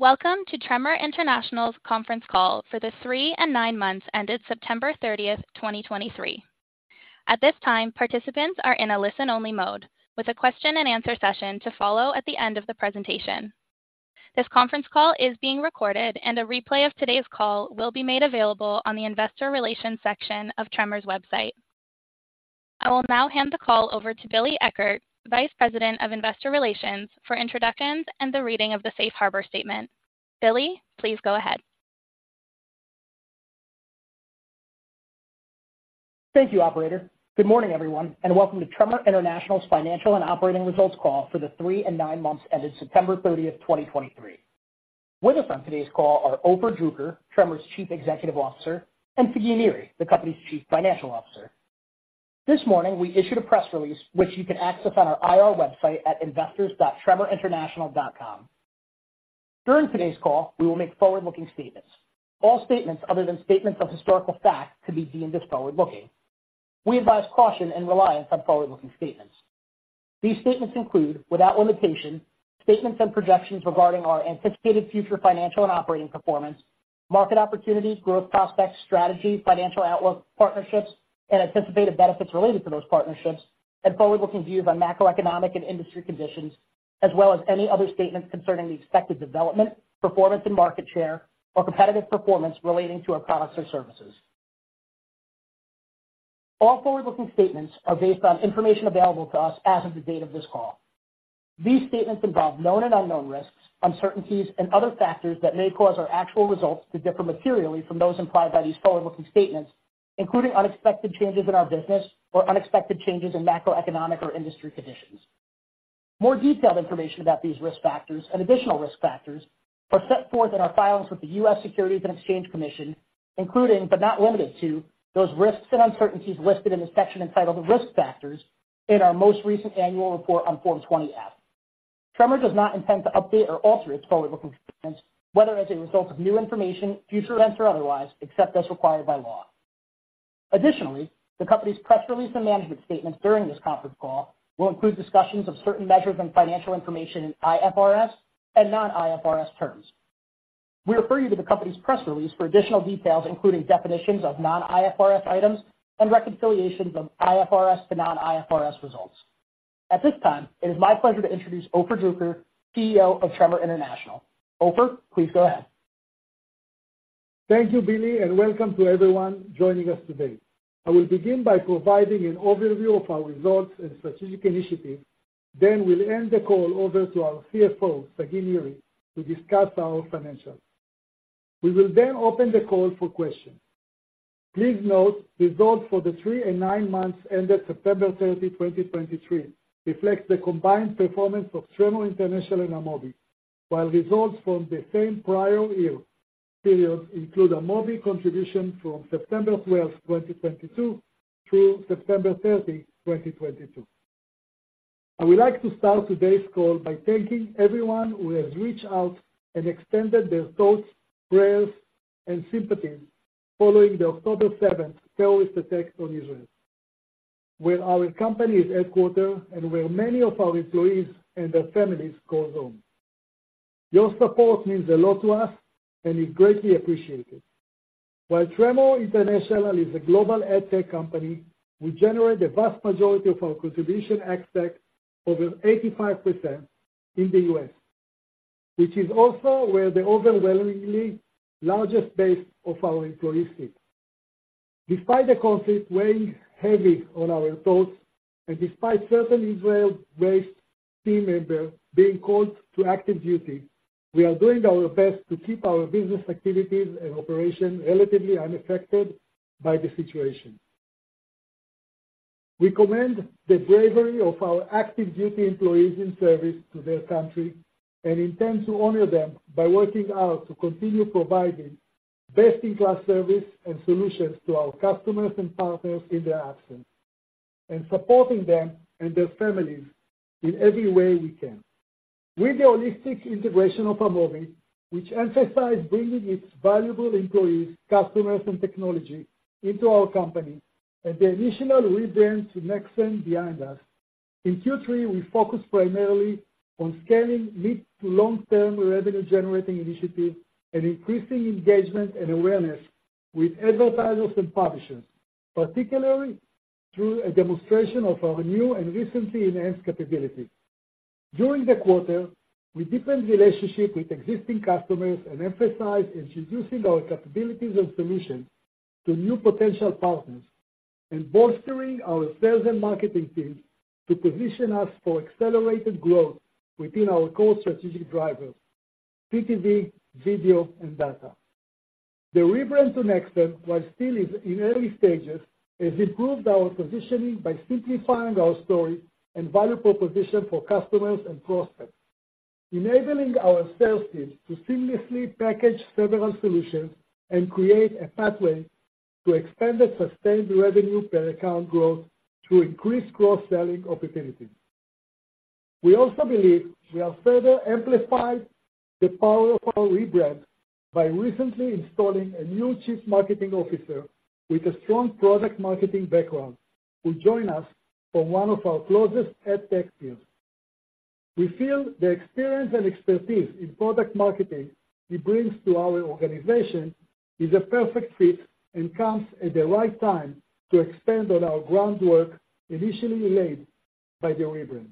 Welcome to Tremor International's conference call for the Three and Nine months ended September 30th, 2023. At this time, participants are in a listen-only mode, with a question-and-answer session to follow at the end of the presentation. This conference call is being recorded, and a replay of today's call will be made available on the investor relations section of Tremor's website. I will now hand the call over to Billy Eckert, Vice President of Investor Relations, for introductions and the reading of the Safe Harbor statement. Billy, please go ahead. Thank you, operator. Good morning, everyone, and welcome to Tremor International's Financial and Operating Results call for the Three and Nine months ended September 30, 2023. With us on today's call are Ofer Druker, Tremor's Chief Executive Officer, and Sagi Niri, the company's Chief Financial Officer. This morning, we issued a press release which you can access on our IR website at investors.tremorinternational.com. During today's call, we will make forward-looking statements. All statements other than statements of historical fact could be deemed as forward-looking. We advise caution and reliance on forward-looking statements. These statements include, without limitation, statements and projections regarding our anticipated future financial and operating performance, market opportunities, growth prospects, strategy, financial outlook, partnerships, and anticipated benefits related to those partnerships, and forward-looking views on macroeconomic and industry conditions, as well as any other statements concerning the expected development, performance and market share, or competitive performance relating to our products or services. All forward-looking statements are based on information available to us as of the date of this call. These statements involve known and unknown risks, uncertainties, and other factors that may cause our actual results to differ materially from those implied by these forward-looking statements, including unexpected changes in our business or unexpected changes in macroeconomic or industry conditions. More detailed information about these risk factors and additional risk factors are set forth in our filings with the U.S. Securities and Exchange Commission, including, but not limited to, those risks and uncertainties listed in the section entitled Risk Factors in our most recent annual report on Form 20-F. Nexxen does not intend to update or alter its forward-looking statements, whether as a result of new information, future events, or otherwise, except as required by law. Additionally, the company's press release and management statements during this conference call will include discussions of certain measures and financial information in IFRS and non-IFRS terms. We refer you to the company's press release for additional details, including definitions of non-IFRS items and reconciliations of IFRS to non-IFRS results. At this time, it is my pleasure to introduce Ofer Druker, CEO of Nexxen International. Ofer, please go ahead. Thank you, Billy, and welcome to everyone joining us today. I will begin by providing an overview of our results and strategic initiatives, then we'll hand the call over to our CFO, Sagi Niri, to discuss our financials. We will then open the call for questions. Please note, results for the Three and Nine months ended September 30, 2023, reflects the combined performance of Tremor International and Amobee. While results from the same prior year period include Amobee contribution from September 12, 2022, through September 30, 2022. I would like to start today's call by thanking everyone who has reached out and extended their thoughts, prayers, and sympathies following the October 7 terrorist attack on Israel, where our company is headquartered and where many of our employees and their families call home. Your support means a lot to us and is greatly appreciated. While Tremor International is a global ad tech company, we generate the vast majority of our contribution ex-TAC, over 85%, in the U.S., which is also where the overwhelmingly largest base of our employees sit. Despite the conflict weighing heavy on our thoughts and despite certain Israel-based team members being called to active duty, we are doing our best to keep our business activities and operation relatively unaffected by the situation. We commend the bravery of our active duty employees in service to their country and intend to honor them by working out to continue providing best-in-class service and solutions to our customers and partners in their absence, and supporting them and their families in every way we can. With the holistic integration of Amobee, which emphasized bringing its valuable employees, customers, and technology into our company, and the initial rebrand to Nexxen behind us, in Q3, we focused primarily on scaling mid- to long-term revenue-generating initiatives and increasing engagement and awareness with advertisers and publishers, particularly through a demonstration of our new and recently enhanced capabilities. During the quarter, we deepened relationships with existing customers and emphasized introducing our capabilities and solutions to new potential partners, and bolstering our sales and marketing teams to position us for accelerated growth within our core strategic drivers, CTV, video, and data. The rebrand to Nexxen, while still is in early stages, has improved our positioning by simplifying our story and value proposition for customers and prospects, enabling our sales team to seamlessly package several solutions and create a pathway to expanded sustained revenue per account growth through increased cross-selling opportunities. We also believe we have further amplified the power of our rebrand by recently installing a new Chief Marketing Officer with a strong product marketing background, who joined us from one of our closest ad tech teams. We feel the experience and expertise in product marketing he brings to our organization is a perfect fit and comes at the right time to expand on our groundwork initially laid by the rebrand.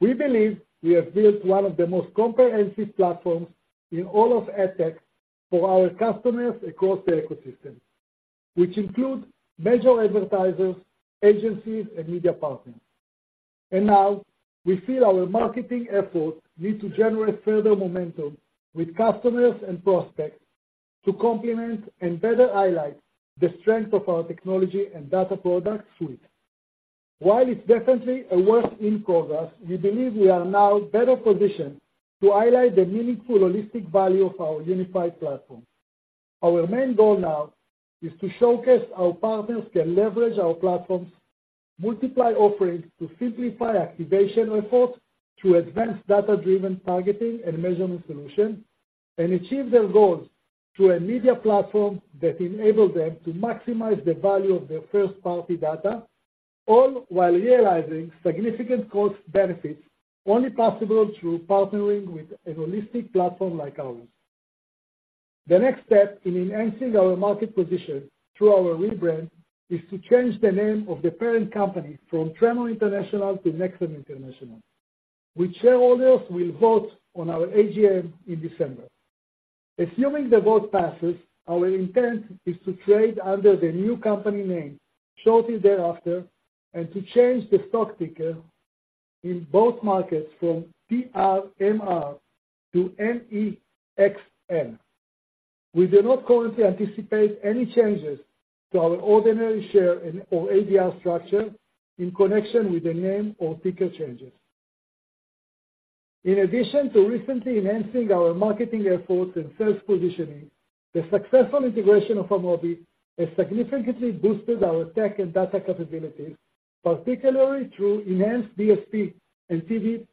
We believe we have built one of the most comprehensive platforms in all of ad tech for our customers across the ecosystem, which include major advertisers, agencies, and media partners. And now, we feel our marketing efforts need to generate further momentum with customers and prospects to complement and better highlight the strength of our technology and data product suite. While it's definitely a work in progress, we believe we are now better positioned to highlight the meaningful holistic value of our unified platform. Our main goal now is to showcase our partners can leverage our platforms, multiply offerings to simplify activation efforts through advanced data-driven targeting and measurement solution, and achieve their goals through a media platform that enables them to maximize the value of their first-party data, all while realizing significant cost benefits only possible through partnering with a holistic platform like ours. The next step in enhancing our market position through our rebrand is to change the name of the parent company from Tremor International to Nexxen International, which shareholders will vote on our AGM in December. Assuming the vote passes, our intent is to trade under the new company name shortly thereafter, and to change the stock ticker in both markets from TRMR to NEXN. We do not currently anticipate any changes to our ordinary share and/or ADR structure in connection with the name or ticker changes. In addition to recently enhancing our marketing efforts and sales positioning, the successful integration of Amobee has significantly boosted our tech and data capabilities, particularly through enhanced DSP and TV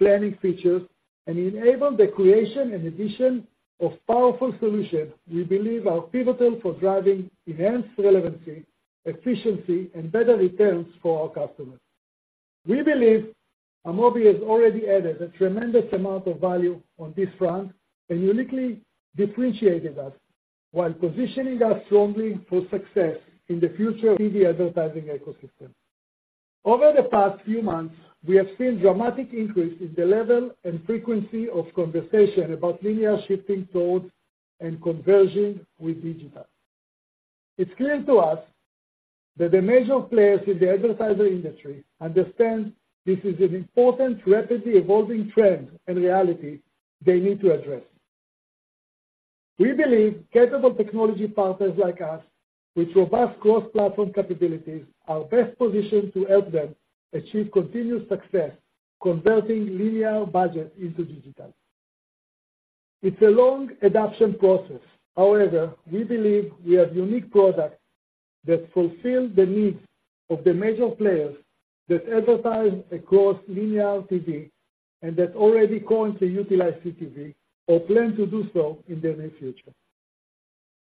planning features, and enabled the creation and addition of powerful solutions we believe are pivotal for driving enhanced relevancy, efficiency, and better returns for our customers. We believe Amobee has already added a tremendous amount of value on this front and uniquely differentiated us while positioning us strongly for success in the future TV advertising ecosystem. Over the past few months, we have seen dramatic increase in the level and frequency of conversation about linear shifting towards and conversion with digital. It's clear to us that the major players in the advertising industry understand this is an important, rapidly evolving trend and reality they need to address. We believe capable technology partners like us, with robust cross-platform capabilities, are best positioned to help them achieve continued success, converting linear budget into digital. It's a long adoption process. However, we believe we have unique products that fulfill the needs of the major players that advertise across linear TV and that already currently utilize CTV or plan to do so in the near future.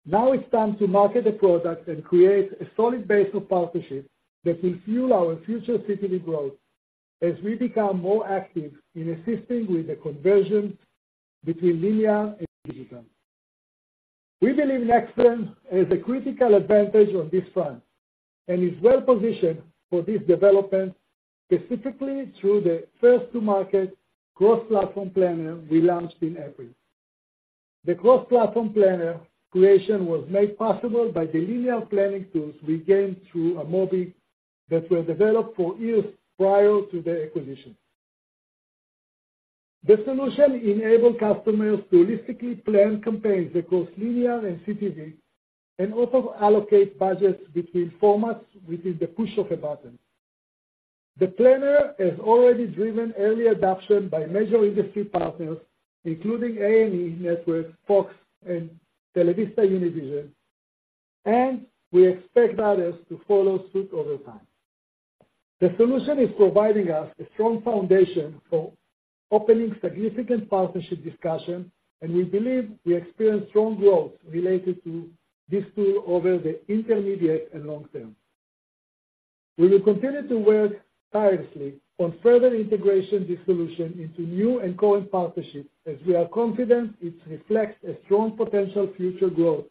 Now it's time to market the product and create a solid base of partnerships that will fuel our future CTV growth as we become more active in assisting with the conversion between linear and digital. We believe Nexxen has a critical advantage on this front and is well positioned for this development, specifically through the first-to-market cross-platform planner we launched in April. The cross-platform planner creation was made possible by the linear planning tools we gained through Amobee that were developed for years prior to the acquisition. The solution enables customers to holistically plan campaigns across linear and CTV, and also allocate budgets between formats within the push of a button. The planner has already driven early adoption by major industry partners, including A+E Networks, Fox, and TelevisaUnivision, and we expect others to follow suit over time. The solution is providing us a strong foundation for opening significant partnership discussions, and we believe we experience strong growth related to this tool over the intermediate and long term. We will continue to work tirelessly on further integration this solution into new and current partnerships, as we are confident it reflects a strong potential future growth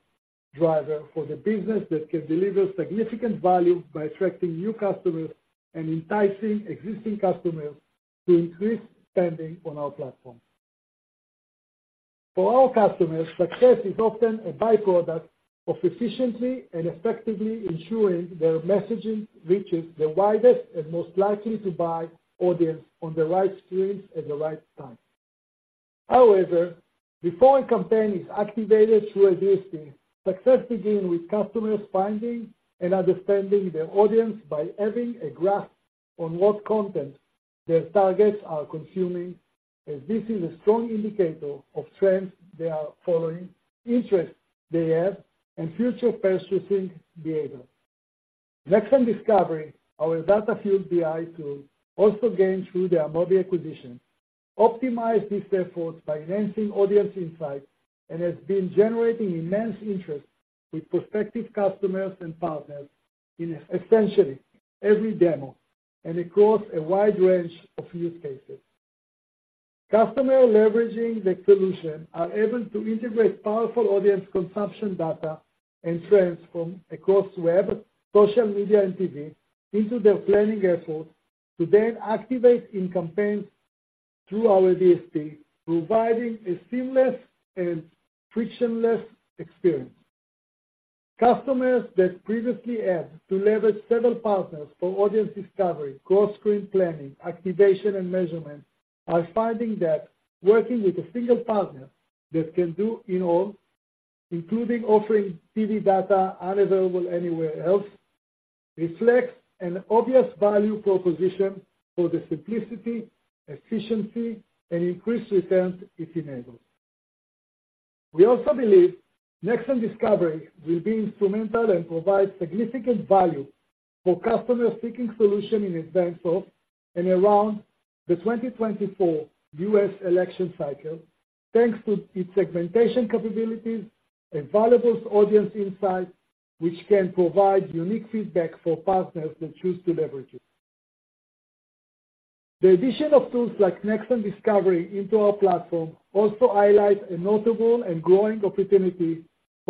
driver for the business that can deliver significant value by attracting new customers and enticing existing customers to increase spending on our platform. For our customers, success is often a by-product of efficiently and effectively ensuring their messaging reaches the widest and most likely to buy audience on the right streams at the right time. However, before a campaign is activated through a DSP, success begins with customers finding and understanding their audience by having a grasp on what content their targets are consuming, as this is a strong indicator of trends they are following, interests they have, and future purchasing behavior... Nexxen Discovery, our data-fueled BI tool, also gained through the Amobee acquisition, optimize these efforts by enhancing audience insights and has been generating immense interest with prospective customers and partners in essentially every demo and across a wide range of use cases. Customers leveraging the solution are able to integrate powerful audience consumption data and trends from across web, social media, and TV into their planning efforts, to then activate in campaigns through our DSP, providing a seamless and frictionless experience. Customers that previously had to leverage several partners for audience discovery, cross-screen planning, activation, and measurement, are finding that working with a single partner that can do it all, including offering TV data unavailable anywhere else, reflects an obvious value proposition for the simplicity, efficiency, and increased returns it enables. We also believe Nexxen Discovery will be instrumental and provide significant value for customers seeking solution in advance of and around the 2024 U.S. election cycle, thanks to its segmentation capabilities and valuable audience insights, which can provide unique feedback for partners that choose to leverage it. The addition of tools like Nexxen Discovery into our platform also highlights a notable and growing opportunity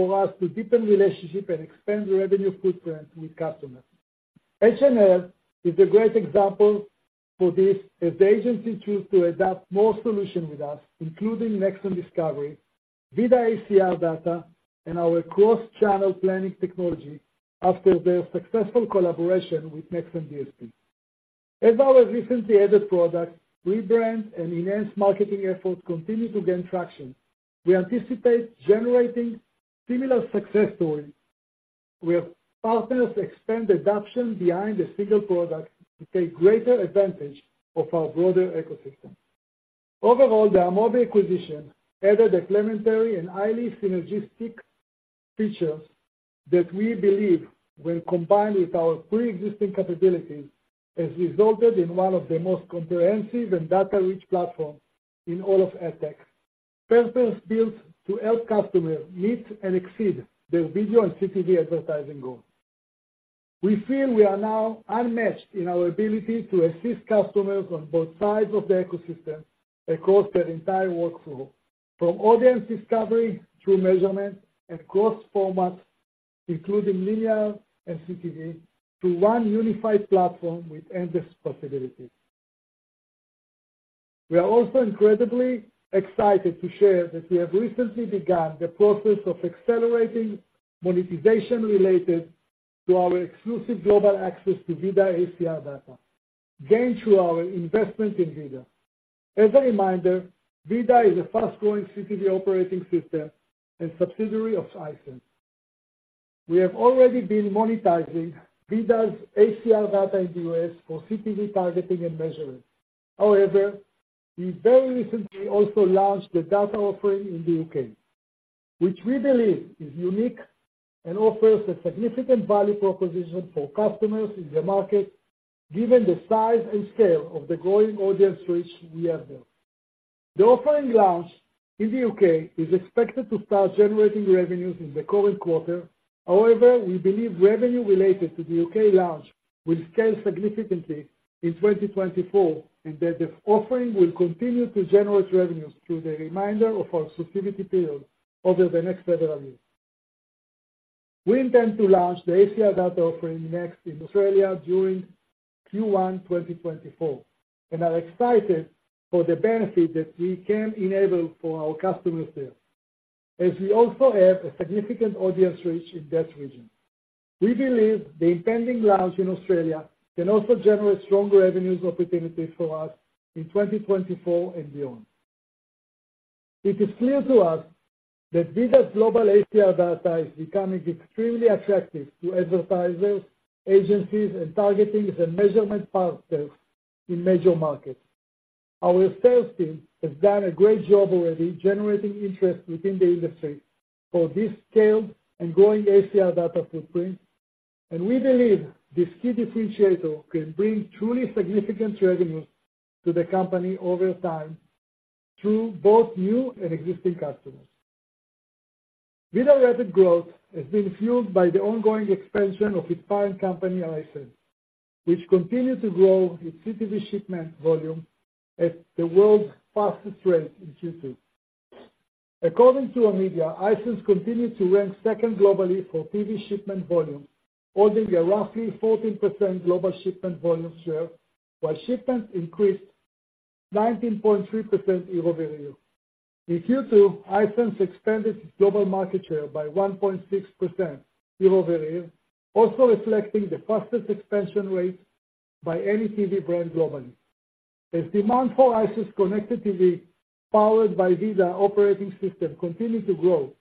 for us to deepen relationship and expand revenue footprint with customers. H&L is a great example for this, as the agency choose to adopt more solution with us, including Nexxen Discovery, VIDAA ACR data, and our cross-channel planning technology after their successful collaboration with Nexxen DSP. As our recently added product, rebrand and enhanced marketing efforts continue to gain traction. We anticipate generating similar success stories, where partners expand adoption behind a single product to take greater advantage of our broader ecosystem. Overall, the Amobee acquisition added a complementary and highly synergistic features that we believe when combined with our pre-existing capabilities, has resulted in one of the most comprehensive and data-rich platforms in all of ad Tech. Purpose built to help customers meet and exceed their video and CTV advertising goals. We feel we are now unmatched in our ability to assist customers on both sides of the ecosystem across their entire workflow, from audience discovery through measurement and cross-format, including linear and CTV, to one unified platform with endless possibilities. We are also incredibly excited to share that we have recently begun the process of accelerating monetization related to our exclusive global access to VIDAA ACR data, gained through our investment in VIDAA. As a reminder, VIDAA is a fast-growing CTV operating system and subsidiary of Hisense. We have already been monetizing VIDAA's ACR data in the U.S. for CTV targeting and measurement. However, we very recently also launched the data offering in the U.K., which we believe is unique and offers a significant value proposition for customers in the market, given the size and scale of the growing audience reach we have there. The offering launch in the U.K. is expected to start generating revenues in the current quarter. However, we believe revenue related to the U.K. launch will scale significantly in 2024, and that the offering will continue to generate revenues through the remainder of our exclusivity period over the next several years. We intend to launch the ACR data offering next in Australia during Q1 2024, and are excited for the benefit that we can enable for our customers there. As we also have a significant audience reach in that region, we believe the impending launch in Australia can also generate strong revenues opportunities for us in 2024 and beyond. It is clear to us that VIDAA's global ACR data is becoming extremely attractive to advertisers, agencies, and targeting the measurement partners in major markets. Our sales team has done a great job already generating interest within the industry for this scaled and growing ACR data footprint, and we believe this key differentiator can bring truly significant revenues to the company over time, through both new and existing customers. VIDAA rapid growth has been fueled by the ongoing expansion of its parent company, Hisense, which continued to grow its CTV shipment volume at the world's fastest rate in Q2. According to Omdia, Hisense continued to rank second globally for TV shipment volume, holding a roughly 14% global shipment volume share, while shipments increased 19.3% year-over-year. In Q2, Hisense expanded its global market share by 1.6% year-over-year, also reflecting the fastest expansion rate by any TV brand globally. As demand for Hisense Connected TV, powered by VIDAA operating system, continue to grow,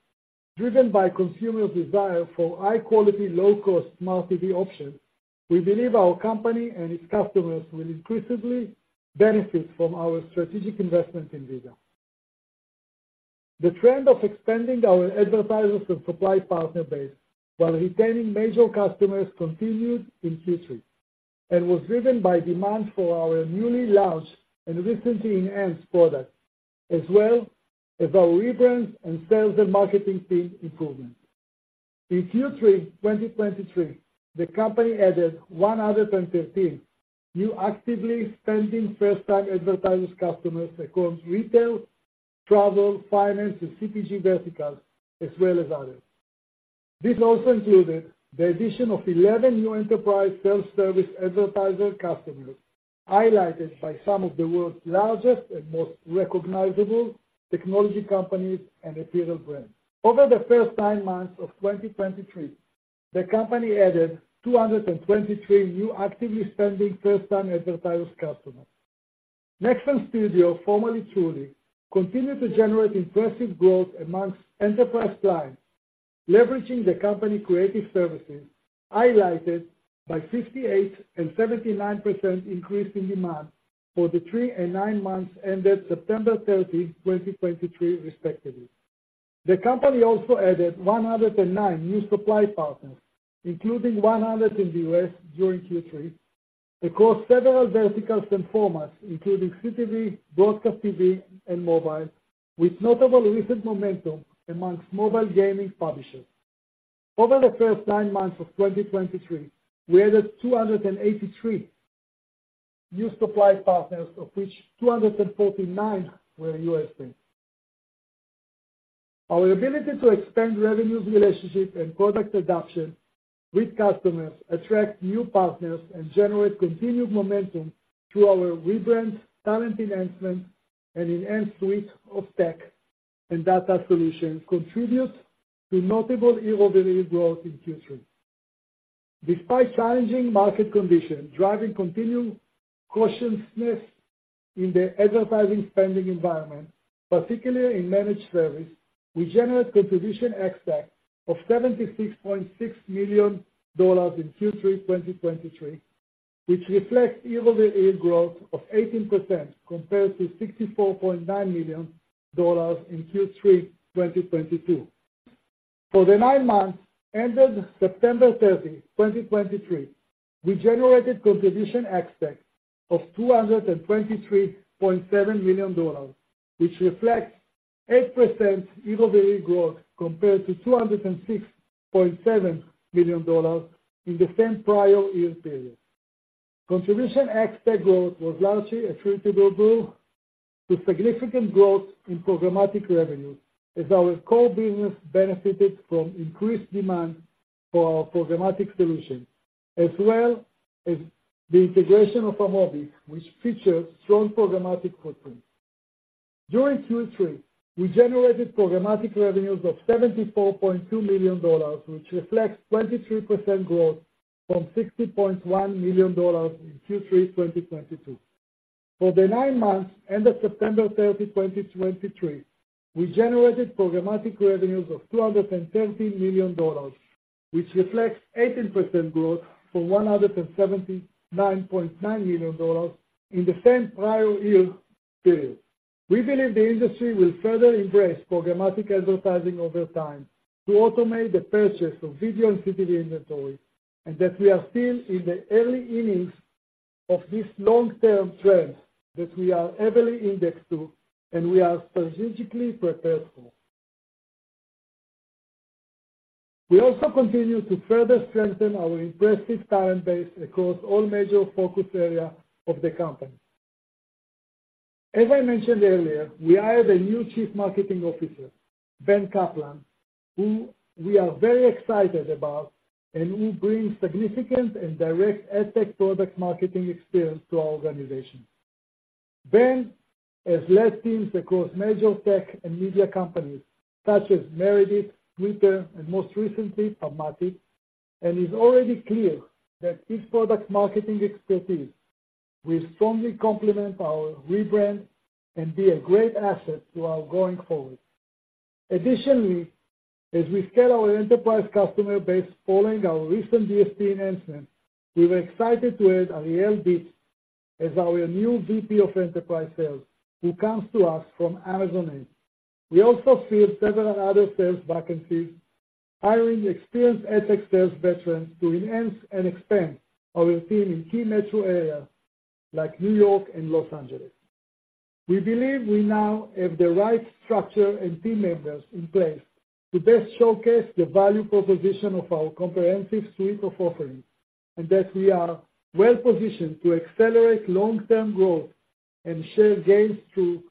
driven by consumers' desire for high quality, low-cost, smart TV options, we believe our company and its customers will increasingly benefit from our strategic investment in VIDAA. The trend of expanding our advertisers and supply partner base while retaining major customers continued in Q3, and was driven by demand for our newly launched and recently enhanced products, as well as our rebrand and sales and marketing team improvements. In Q3 2023, the company added 113 new actively spending first-time advertisers customers across retail, travel, finance, and CPG verticals, as well as others. This also included the addition of 11 new enterprise self-service advertiser customers, highlighted by some of the world's largest and most recognizable technology companies and apparel brands. Over the first nine months of 2023, the company added 223 new actively spending first-time advertiser customers. Nexxen Studio, formerly Tr.ly, continued to generate impressive growth amongst enterprise clients, leveraging the company creative services, highlighted by 68% and 79% increase in demand for the three and nine months ended September 30, 2023, respectively. The company also added 109 new supply partners, including 100 in the U.S. during Q3, across several verticals and formats, including CTV, broadcast TV, and mobile, with notable recent momentum among mobile gaming publishers. Over the first nine months of 2023, we added 283 new supply partners, of which 249 were U.S.-based. Our ability to expand revenues, relationships, and product adoption with customers, attract new partners, and generate continued momentum through our rebrand, talent enhancement, and enhanced suite of tech and data solutions contributes to notable year-over-year growth in Q3. Despite challenging market conditions, driving continued cautiousness in the advertising spending environment, particularly in managed service, we generate contribution ex-TAC of $76.6 million in Q3 2023, which reflects year-over-year growth of 18% compared to $64.9 million in Q3 2022. For the nine months ended September 30, 2023, we generated Contribution ex-TAC of $223.7 million, which reflects 8% year-over-year growth compared to $206.7 million in the same prior year period. Contribution ex-TAC growth was largely attributable to significant growth in programmatic revenue, as our core business benefited from increased demand for our programmatic solution, as well as the integration of Amobee, which features strong programmatic footprint. During Q3, we generated programmatic revenues of $74.2 million, which reflects 23% growth from $60.1 million in Q3 2022. For the nine months ended September 30, 2023, we generated programmatic revenues of $230 million, which reflects 18% growth from $179.9 million in the same prior year period. We believe the industry will further embrace programmatic advertising over time to automate the purchase of video and CTV inventory, and that we are still in the early innings of this long-term trend that we are heavily indexed to, and we are strategically prepared for. We also continue to further strengthen our impressive talent base across all major focus areas of the company. As I mentioned earlier, we hired a new Chief Marketing Officer, Ben Kaplan, who we are very excited about and who brings significant and direct ad tech product marketing experience to our organization. Ben has led teams across major tech and media companies such as Meredith, Twitter, and most recently, PubMatic, and is already clear that his product marketing expertise will strongly complement our rebrand and be a great asset to our going forward. Additionally, as we scale our enterprise customer base following our recent DSP enhancement, we were excited to add Ariel Deitz as our new VP of Enterprise Sales, who comes to us from Amazon Ads. We also filled several other sales vacancies, hiring experienced ad tech sales veterans to enhance and expand our team in key metro areas like New York and Los Angeles. We believe we now have the right structure and team members in place to best showcase the value proposition of our comprehensive suite of offerings, and that we are well positioned to accelerate long-term growth and share gains through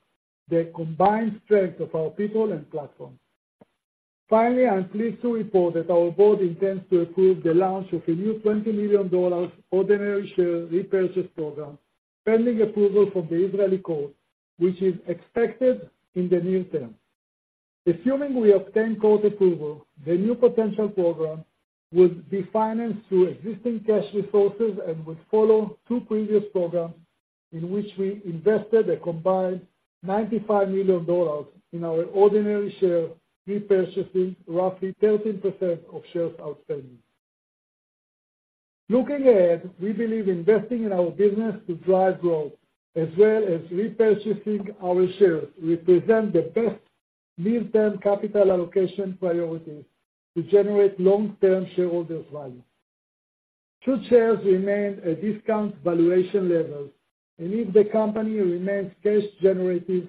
the combined strength of our people and platform. Finally, I'm pleased to report that our board intends to approve the launch of a new $20 million ordinary share repurchase program, pending approval from the Israeli court, which is expected in the near term. Assuming we obtain court approval, the new potential program will be financed through existing cash resources and will follow two previous programs in which we invested a combined $95 million in our ordinary shares, repurchasing roughly 13% of shares outstanding.... Looking ahead, we believe investing in our business to drive growth, as well as repurchasing our shares, represent the best midterm capital allocation priorities to generate long-term shareholder value. Our shares remain at discount valuation levels, and if the company remains cash generative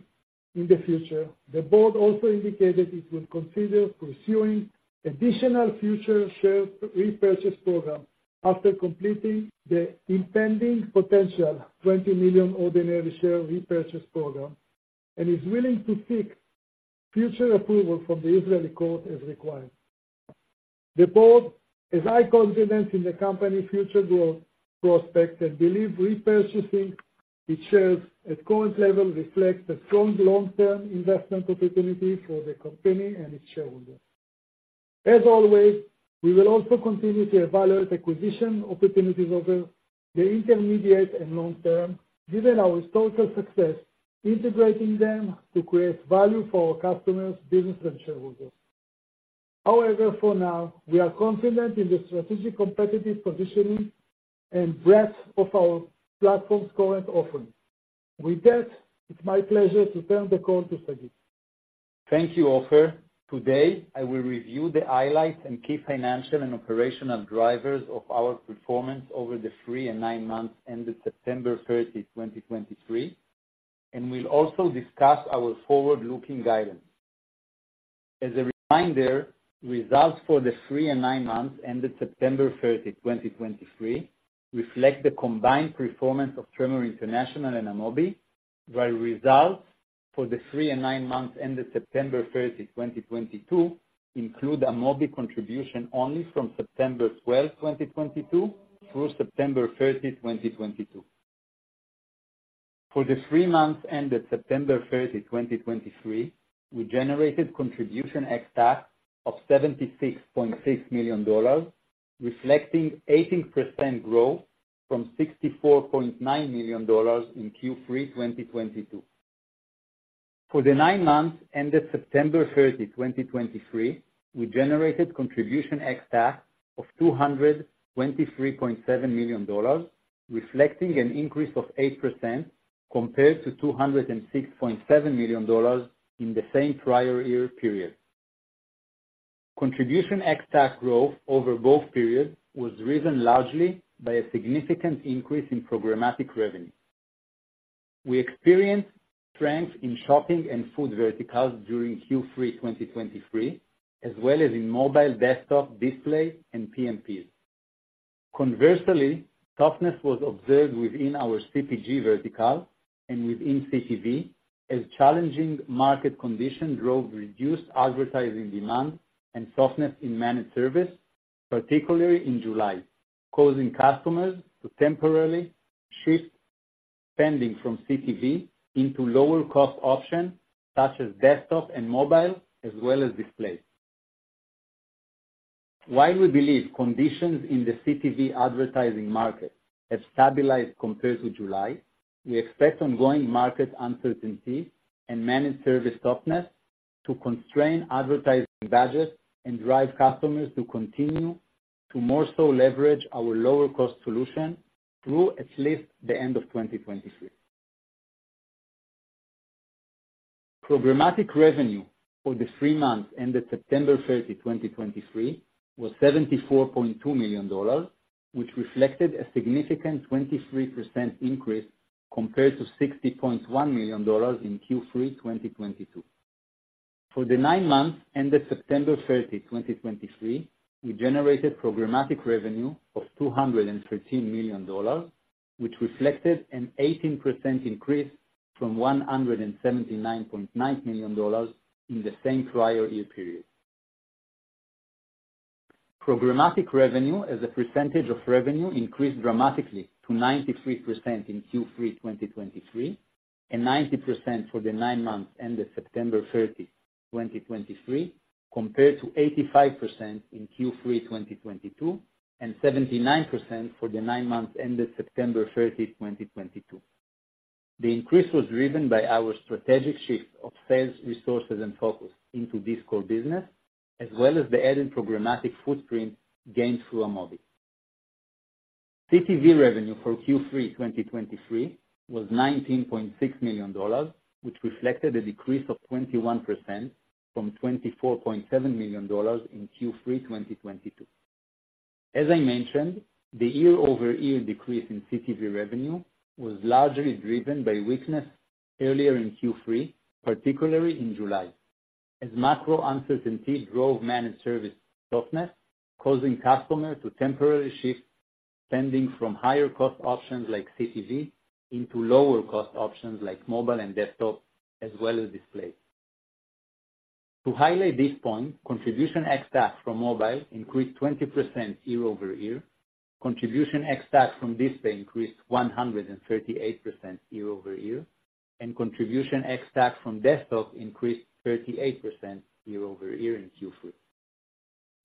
in the future, the board also indicated it will consider pursuing additional future share repurchase program after completing the impending potential 20 million ordinary share repurchase program, and is willing to seek future approval from the Israeli court as required. The Board has high confidence in the company's future growth prospects and believes repurchasing its shares at current levels reflects a strong long-term investment opportunity for the company and its shareholders. As always, we will also continue to evaluate acquisition opportunities over the intermediate and long term, given our historical success integrating them to create value for our customers, business, and shareholders. However, for now, we are confident in the strategic competitive positioning and breadth of our platform's current offerings. With that, it's my pleasure to turn the call to Sagi. Thank you, Ofer. Today, I will review the highlights and key financial and operational drivers of our performance over the three and nine months ended September 30, 2023, and we'll also discuss our forward-looking guidance. As a reminder, results for the three and nine months ended September 30, 2023, reflect the combined performance of Tremor International and Amobee. While results for the three and nine months ended September 30, 2022, include Amobee contribution only from September 12, 2022, through September 30, 2022. For the three months ended September 30, 2023, we generated contribution ex-TAC of $76.6 million, reflecting 18% growth from $64.9 million in Q3 2022. For the Nine months ended September 30, 2023, we generated contribution ex-TAC of $223.7 million, reflecting an increase of 8% compared to $206.7 million in the same prior year period. Contribution ex-TAC growth over both periods was driven largely by a significant increase in programmatic revenue. We experienced strength in shopping and food verticals during Q3 2023, as well as in mobile, desktop, display, and PMPs. Conversely, toughness was observed within our CPG vertical and within CTV, as challenging market conditions drove reduced advertising demand and softness in managed service, particularly in July, causing customers to temporarily shift spending from CTV into lower-cost options, such as desktop and mobile, as well as display. While we believe conditions in the CTV advertising market have stabilized compared to July, we expect ongoing market uncertainty and managed service softness to constrain advertising budgets and drive customers to continue to more so leverage our lower-cost solution through at least the end of 2023. Programmatic revenue for the three months ended September 30, 2023, was $74.2 million, which reflected a significant 23% increase compared to $60.1 million in Q3 2022. For the nine months ended September 30, 2023, we generated programmatic revenue of $213 million, which reflected an 18% increase from $179.9 million in the same prior year period. Programmatic revenue, as a percentage of revenue, increased dramatically to 93% in Q3 2023, and 90% for the nine months ended September 30, 2023, compared to 85% in Q3 2022, and 79% for the nine months ended September 30, 2022. The increase was driven by our strategic shift of sales resources and focus into this core business, as well as the added programmatic footprint gained through Amobee. CTV revenue for Q3 2023 was $19.6 million, which reflected a decrease of 21% from $24.7 million in Q3 2022. As I mentioned, the year-over-year decrease in CTV revenue was largely driven by weakness earlier in Q3, particularly in July, as macro uncertainties drove managed service softness, causing customers to temporarily shift spending from higher-cost options like CTV into lower-cost options like mobile and desktop, as well as display. To highlight this point, contribution ex-TAC from mobile increased 20% year-over-year, contribution ex-TAC from display increased 138% year-over-year, and contribution ex-TAC from desktop increased 38% year-over-year in Q3.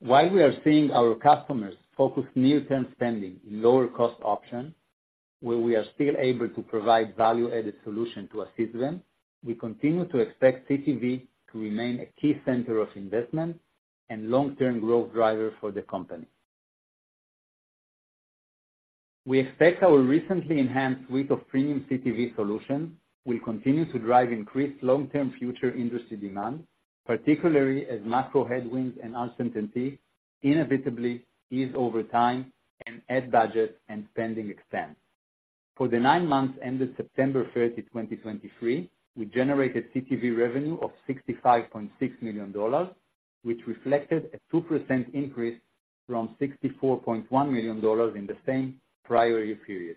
While we are seeing our customers focus near-term spending in lower-cost options where we are still able to provide value-added solution to assist them, we continue to expect CTV to remain a key center of investment and long-term growth driver for the company. We expect our recently enhanced suite of premium CTV solutions will continue to drive increased long-term future industry demand, particularly as macro headwinds and uncertainty inevitably ease over time and ad budget and spending expand. For the nine months ended September 30, 2023, we generated CTV revenue of $65.6 million, which reflected a 2% increase from $64.1 million in the same prior year period.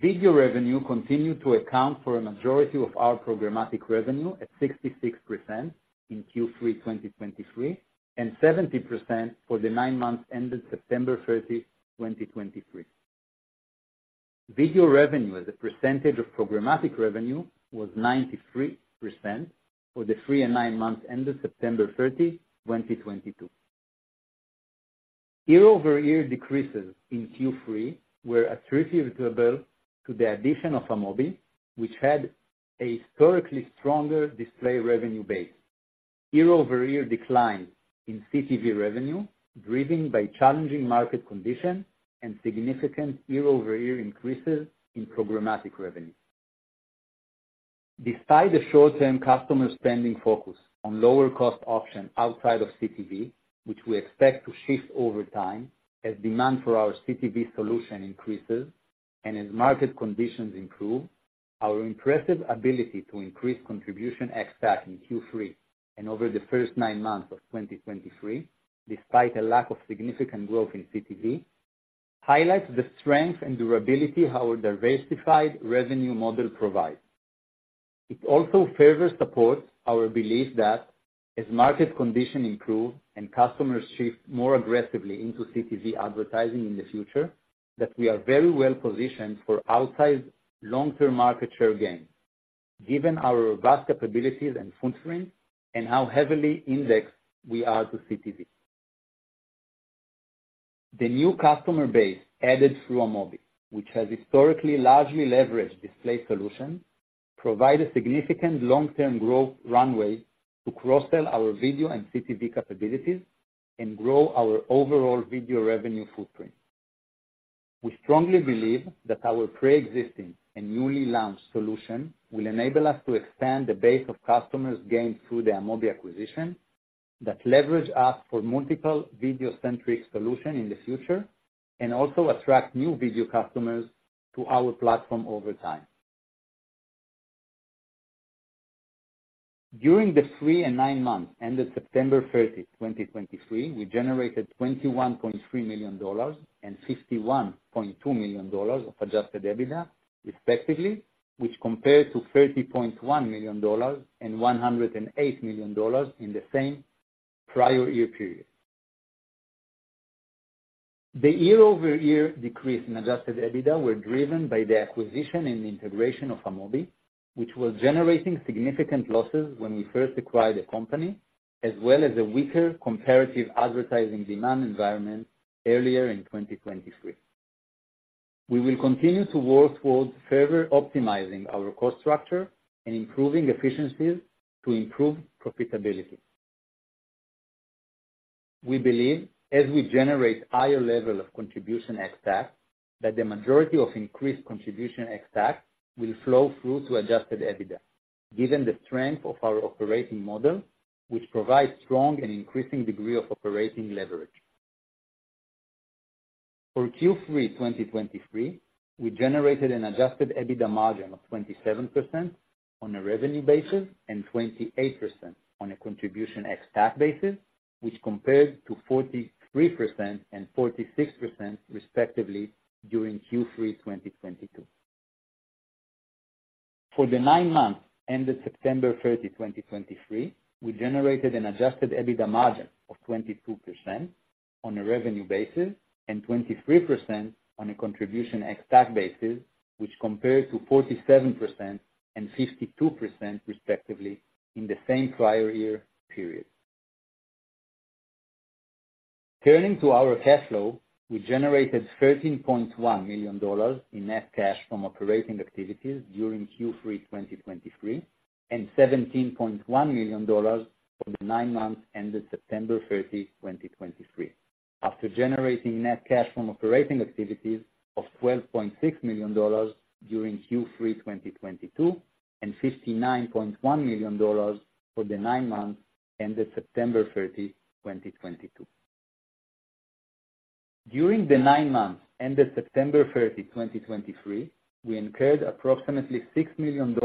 Video revenue continued to account for a majority of our programmatic revenue at 66% in Q3 2023, and 70% for the nine months ended September 30, 2023. Video revenue as a percentage of programmatic revenue was 93% for the three and nine months ended September 30, 2022. Year-over-year decreases in Q3 were attributable to the addition of Amobee, which had a historically stronger display revenue base. Year-over-year decline in CTV revenue, driven by challenging market conditions and significant year-over-year increases in programmatic revenue. Despite the short-term customer spending focus on lower cost options outside of CTV, which we expect to shift over time as demand for our CTV solution increases and as market conditions improve, our impressive ability to increase contribution ex-TAC in Q3 and over the first nine months of 2023, despite a lack of significant growth in CTV, highlights the strength and durability our diversified revenue model provides. It also further supports our belief that as market conditions improve and customers shift more aggressively into CTV advertising in the future, that we are very well positioned for outsized long-term market share gain, given our vast capabilities and footprint and how heavily indexed we are to CTV. The new customer base added through Amobee, which has historically largely leveraged display solutions, provide a significant long-term growth runway to cross-sell our video and CTV capabilities and grow our overall video revenue footprint. We strongly believe that our preexisting and newly launched solution will enable us to expand the base of customers gained through the Amobee acquisition, that leverage us for multiple video-centric solutions in the future, and also attract new video customers to our platform over time. During the three and nine months ended September 30, 2023, we generated $21.3 million and $61.2 million of Adjusted EBITDA, respectively, which compared to $30.1 million and $108 million in the same prior year period. The year-over-year decrease in Adjusted EBITDA were driven by the acquisition and integration of Amobee, which was generating significant losses when we first acquired the company, as well as a weaker comparative advertising demand environment earlier in 2023. We will continue to work towards further optimizing our cost structure and improving efficiencies to improve profitability. We believe, as we generate higher level of Contribution ex-TAC, that the majority of increased Contribution ex-TAC will flow through to Adjusted EBITDA, given the strength of our operating model, which provides strong and increasing degree of operating leverage. For Q3 2023, we generated an Adjusted EBITDA margin of 27% on a revenue basis and 28% on a Contribution ex-TAC basis, which compared to 43% and 46%, respectively, during Q3 2022. For the Nine months ended September 30, 2023, we generated an Adjusted EBITDA margin of 22% on a revenue basis and 23% on a contribution ex-TAC basis, which compared to 47% and 52%, respectively, in the same prior year period. Turning to our cash flow, we generated $13.1 million in net cash from operating activities during Q3 2023, and $17.1 million for the Nine months ended September 30, 2023, after generating net cash from operating activities of $12.6 million during Q3 2022, and $59.1 million for the Nine months ended September 30, 2022. During the Nine months ended September 30, 2023, we incurred approximately $6 million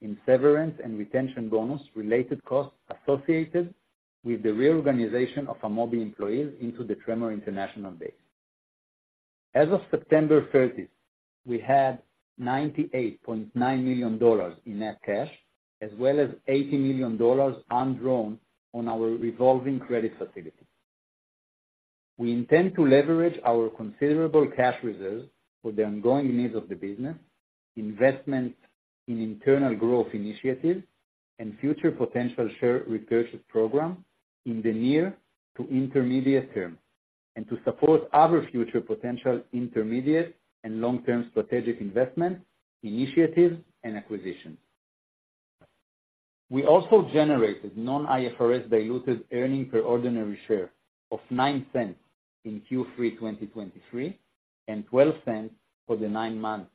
in severance and retention bonus-related costs associated with the reorganization of Amobee employees into the Tremor International base. As of September 30, we had $98.9 million in net cash, as well as $80 million undrawn on our revolving credit facility. We intend to leverage our considerable cash reserves for the ongoing needs of the business, investment in internal growth initiatives and future potential share repurchase program in the near to intermediate term, and to support other future potential intermediate and long-term strategic investments, initiatives, and acquisitions. We also generated non-IFRS diluted earnings per ordinary share of $0.09 in Q3 2023, and $0.12 for the nine months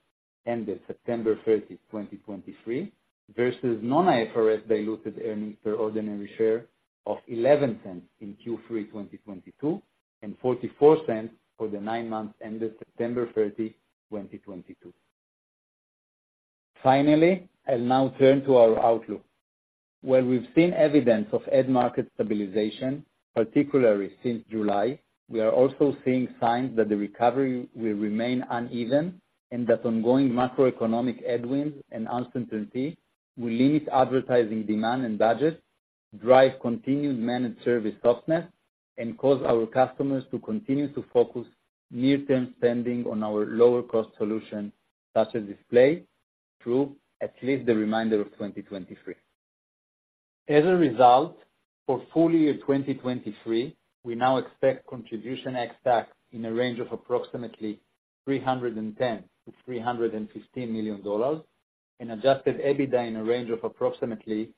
ended September 30, 2023, versus non-IFRS diluted earnings per ordinary share of $0.11 in Q3 2022, and $0.44 for the nine months ended September 30, 2022. Finally, I'll now turn to our outlook. While we've seen evidence of ad market stabilization, particularly since July, we are also seeing signs that the recovery will remain uneven and that ongoing macroeconomic headwinds and uncertainty will limit advertising demand and budgets, drive continued managed service softness, and cause our customers to continue to focus near-term spending on our lower-cost solutions, such as display through at least the remainder of 2023. As a result, for full year 2023, we now expect contribution ex-TAC in a range of approximately $310 million-$315 million, and adjusted EBITDA in a range of approximately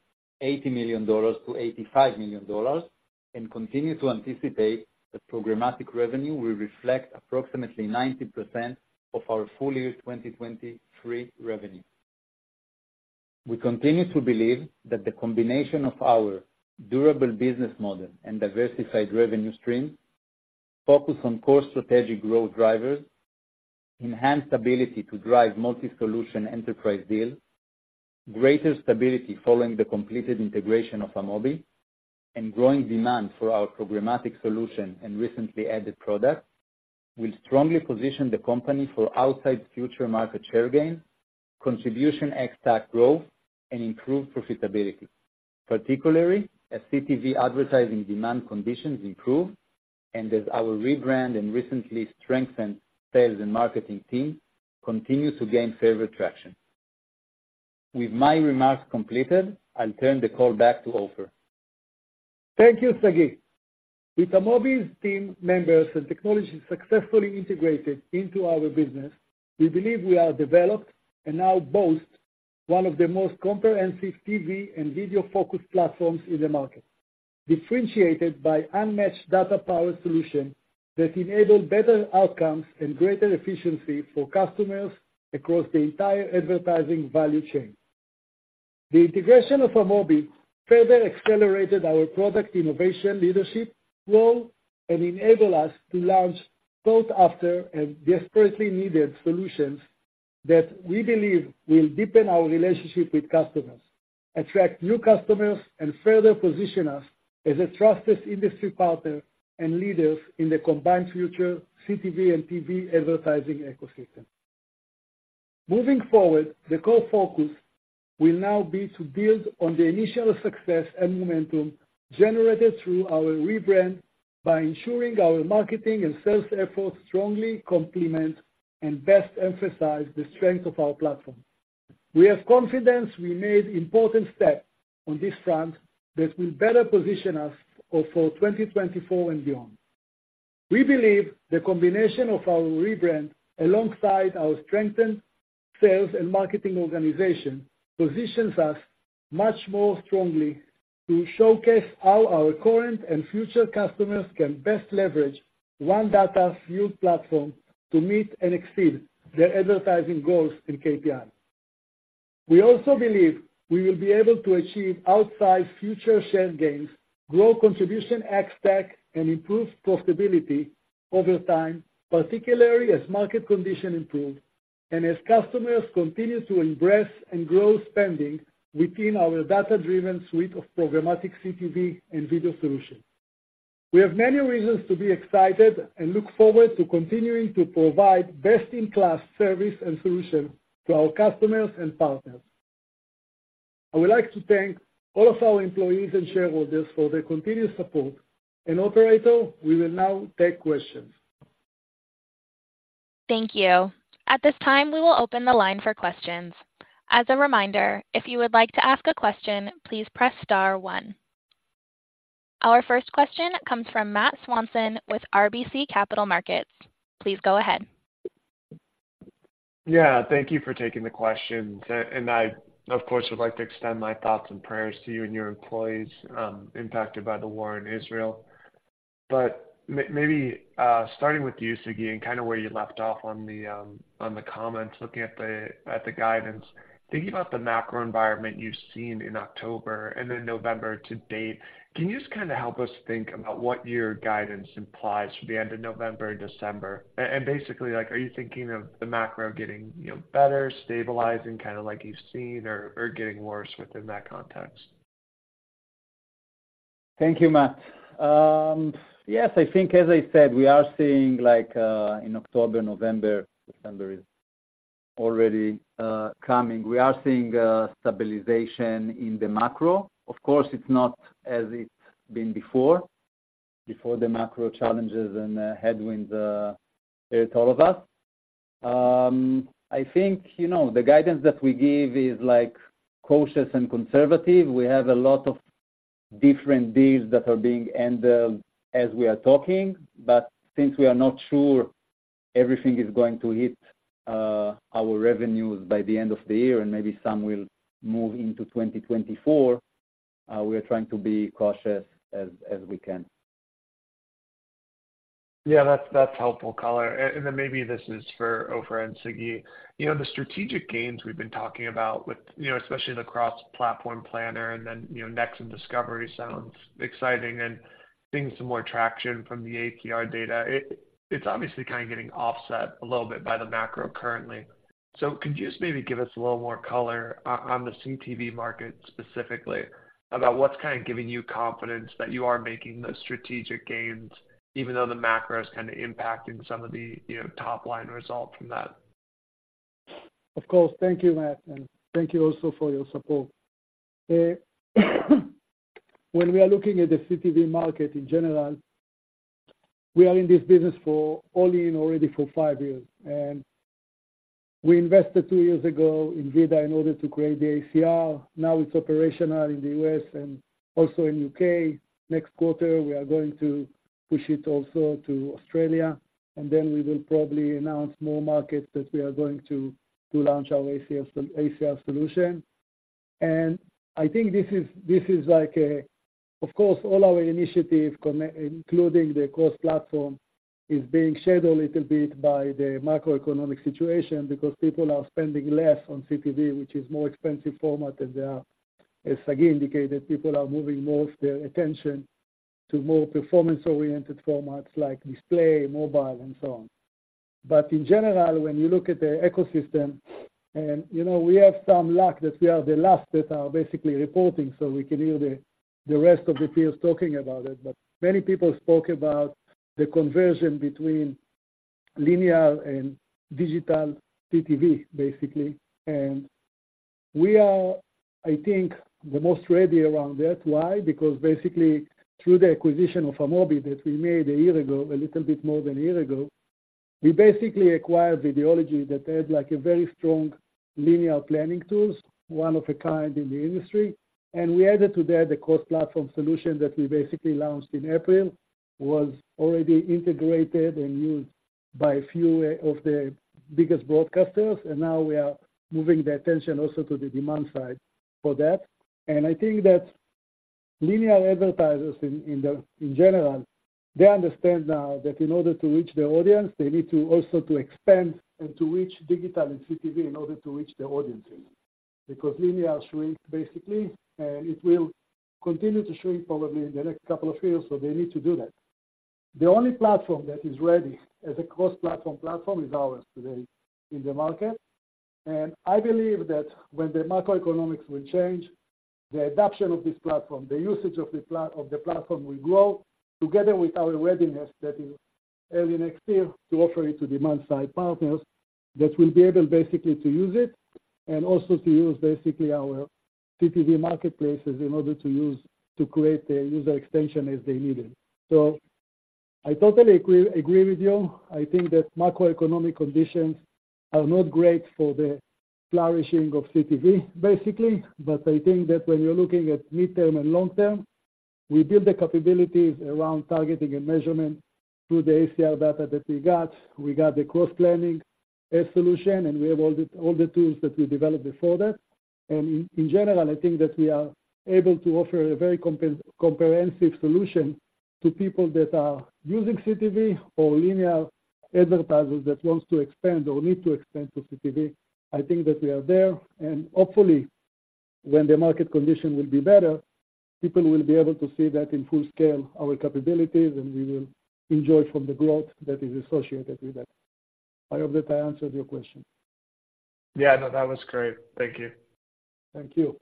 $80 million-$85 million, and continue to anticipate that programmatic revenue will reflect approximately 90% of our full year 2023 revenue. We continue to believe that the combination of our durable business model and diversified revenue stream, focus on core strategic growth drivers, enhanced ability to drive multi-solution enterprise deals, greater stability following the completed integration of Amobee, and growing demand for our programmatic solution and recently added products, will strongly position the company for outsized future market share gain, Contribution ex-TAC growth, and improved profitability. Particularly, as CTV advertising demand conditions improve and as our rebrand and recently strengthened sales and marketing team continue to gain favorable traction. With my remarks completed, I'll turn the call back to Ofer. Thank you, Sagi. With Amobee's team members and technology successfully integrated into our business, we believe we are developed and now boast one of the most comprehensive TV and video-focused platforms in the market, differentiated by unmatched data power solution that enable better outcomes and greater efficiency for customers across the entire advertising value chain. The integration of Amobee further accelerated our product innovation leadership role and enable us to launch both after and desperately needed solutions that we believe will deepen our relationship with customers, attract new customers, and further position us as a trusted industry partner and leaders in the combined future CTV and TV advertising ecosystem. Moving forward, the core focus will now be to build on the initial success and momentum generated through our rebrand by ensuring our marketing and sales efforts strongly complement and best emphasize the strength of our platform. We have confidence we made important steps on this front that will better position us for 2024 and beyond. We believe the combination of our rebrand, alongside our strengthened sales and marketing organization, positions us much more strongly to showcase how our current and future customers can best leverage one data fueled platform to meet and exceed their advertising goals and KPIs. We also believe we will be able to achieve outsized future share gains, grow contribution ex-TAC. And improve profitability over time, particularly as market conditions improve and as customers continue to embrace and grow spending within our data-driven suite of programmatic CTV and video solutions. We have many reasons to be excited and look forward to continuing to provide best-in-class service and solutions to our customers and partners. I would like to thank all of our employees and shareholders for their continued support. Operator, we will now take questions. Thank you. At this time, we will open the line for questions. As a reminder, if you would like to ask a question, please press star one. Our first question comes from Matt Swanson with RBC Capital Markets. Please go ahead. Yeah, thank you for taking the questions. And I, of course, would like to extend my thoughts and prayers to you and your employees impacted by the war in Israel. But maybe, starting with you, Sagi, and kind of where you left off on the comments, looking at the guidance. Thinking about the macro environment you've seen in October and then November to date, can you just kind of help us think about what your guidance implies for the end of November and December? And basically, like, are you thinking of the macro getting, you know, better, stabilizing, kind of like you've seen or getting worse within that context? Thank you, Matt. Yes, I think as I said, we are seeing, like, in October, November, December is already coming. We are seeing stabilization in the macro. Of course, it's not as it's been before before the macro challenges and, headwinds, hit all of us. I think, you know, the guidance that we give is like cautious and conservative. We have a lot of different deals that are being handled as we are talking, but since we are not sure everything is going to hit, our revenues by the end of the year and maybe some will move into 2024, we are trying to be cautious as we can. Yeah, that's helpful color. And then maybe this is for Ofer and Sagi. You know, the strategic gains we've been talking about with, you know, especially the cross-platform planner and then, you know, Nexxen Discovery sounds exciting and seeing some more traction from the ACR data. It's obviously kind of getting offset a little bit by the macro currently. So could you just maybe give us a little more color on the CTV market, specifically, about what's kind of giving you confidence that you are making those strategic gains, even though the macro is kinda impacting some of the, you know, top-line results from that? Of course. Thank you, Matt, and thank you also for your support. When we are looking at the CTV market in general, we are in this business for only in already for five years, and we invested two years ago in VIDAA in order to create the ACR. Now, it's operational in the U.S. and also in U.K. Next quarter, we are going to push it also to Australia, and then we will probably announce more markets that we are going to, to launch our ACR ACR solution. And I think this is, this is like, of course, all our initiative connect, including the cross-platform, is being scheduled a little bit by the macroeconomic situation because people are spending less on CTV, which is more expensive format than they are. As Sagi indicated, people are moving more of their attention to more performance-oriented formats like display, mobile, and so on. But in general, when you look at the ecosystem, and you know, we have some luck that we are the last that are basically reporting, so we can hear the rest of the peers talking about it. But many people spoke about the conversion between linear and digital CTV, basically. And we are, I think, the most ready around that. Why? Because basically, through the acquisition of Amobee that we made a year ago, a little bit more than a year ago, we basically acquired Videology that had like a very strong linear planning tools, one of a kind in the industry. We added to that the cross-platform solution that we basically launched in April, was already integrated and used by a few of the biggest broadcasters, and now we are moving the attention also to the demand side for that. I think that linear advertisers in general, they understand now that in order to reach their audience, they need to also to expand and to reach digital and CTV in order to reach their audiences. Because linear shrink, basically, and it will continue to shrink probably in the next couple of years, so they need to do that. The only platform that is ready as a cross-platform platform is ours today in the market. I believe that when the macroeconomics will change, the adoption of this platform, the usage of the platform will grow together with our readiness that is early next year, to offer it to demand side partners that will be able basically to use it and also to use basically our CTV marketplaces in order to use to create the user extension as they need it. So I totally agree, agree with you. I think that macroeconomic conditions are not great for the flourishing of CTV, basically. But I think that when you're looking at midterm and long term, we build the capabilities around targeting and measurement through the ACR data that we got. We got the cross-planning solution, and we have all the, all the tools that we developed before that. In general, I think that we are able to offer a very comprehensive solution to people that are using CTV or linear advertisers that wants to expand or need to expand to CTV. I think that we are there, and hopefully, when the market condition will be better, people will be able to see that in full scale, our capabilities, and we will enjoy from the growth that is associated with that. I hope that I answered your question. Yeah, no, that was great. Thank you. Thank you.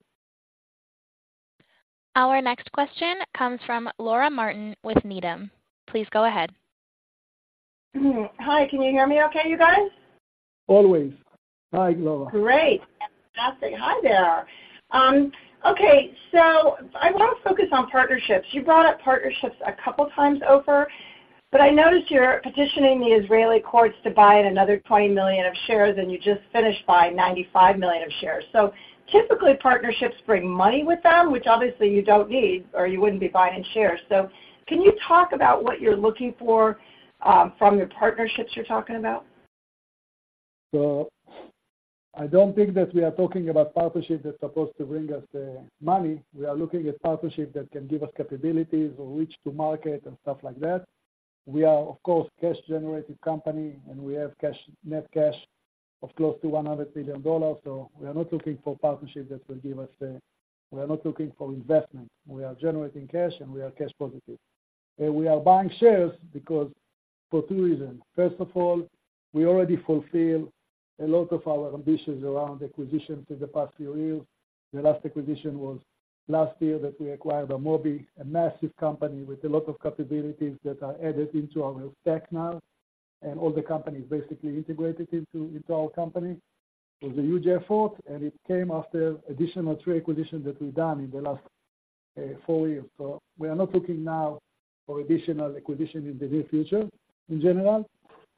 Our next question comes from Laura Martin with Needham. Please go ahead. Hi, can you hear me okay, you guys? Always. Hi, Laura. Great. Fantastic. Hi there. Okay, so I want to focus on partnerships. You brought up partnerships a couple times over, but I noticed you're petitioning the Israeli courts to buy in another 20 million of shares, and you just finished buying 95 million of shares. So typically, partnerships bring money with them, which obviously you don't need, or you wouldn't be buying shares. So can you talk about what you're looking for, from the partnerships you're talking about? So I don't think that we are talking about partnership that's supposed to bring us, money. We are looking at partnership that can give us capabilities or reach to market and stuff like that. We are, of course, cash-generated company, and we have cash, net cash of close to $100 billion. So we are not looking for partnerships that will give us. We are not looking for investment. We are generating cash, and we are cash positive. And we are buying shares because for two reasons: first of all, we already fulfilled a lot of our ambitions around acquisitions in the past few years. The last acquisition was last year that we acquired Amobee, a massive company with a lot of capabilities that are added into our tech now, and all the companies basically integrated into, into our company. It was a huge effort, and it came after additional three acquisitions that we've done in the last four years. So we are not looking now for additional acquisition in the near future, in general.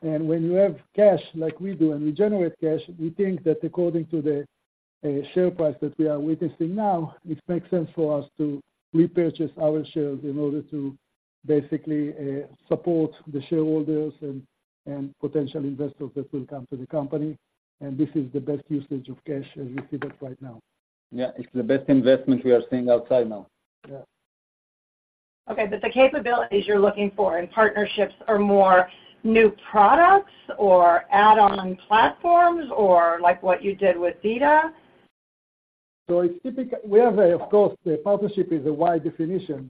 And when you have cash like we do, and we generate cash, we think that according to the share price that we are witnessing now, it makes sense for us to repurchase our shares in order to basically support the shareholders and potential investors that will come to the company, and this is the best usage of cash as we see that right now. Yeah, it's the best investment we are seeing outside now. Yeah. Okay, but the capabilities you're looking for in partnerships are more new products or add-on platforms, or like what you did with VIDAA? Of course, the partnership is a wide definition,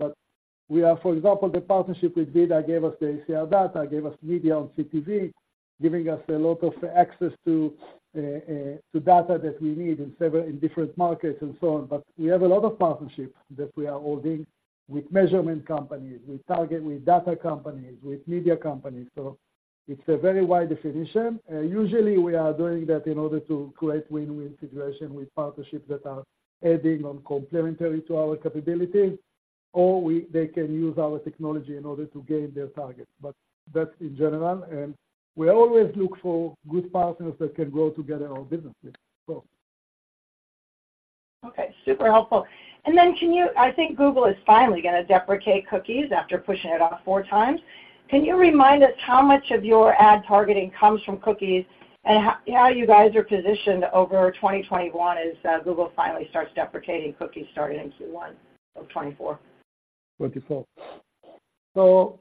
but, for example, the partnership with VIDAA gave us the ACR data, gave us media on CTV, giving us a lot of access to data that we need in several different markets and so on. But we have a lot of partnerships that we are holding with measurement companies, with Target, with data companies, with media companies, so it's a very wide definition. Usually we are doing that in order to create win-win situation with partnerships that are adding on complementary to our capabilities, or they can use our technology in order to gain their targets. But that's in general, and we always look for good partners that can grow together our businesses, so. Okay, super helpful. And then can you, I think Google is finally gonna deprecate cookies after pushing it off 4x. Can you remind us how much of your ad targeting comes from cookies, and how, how you guys are positioned over 2021 as Google finally starts deprecating cookies starting in Q1 of 2024? 2024. So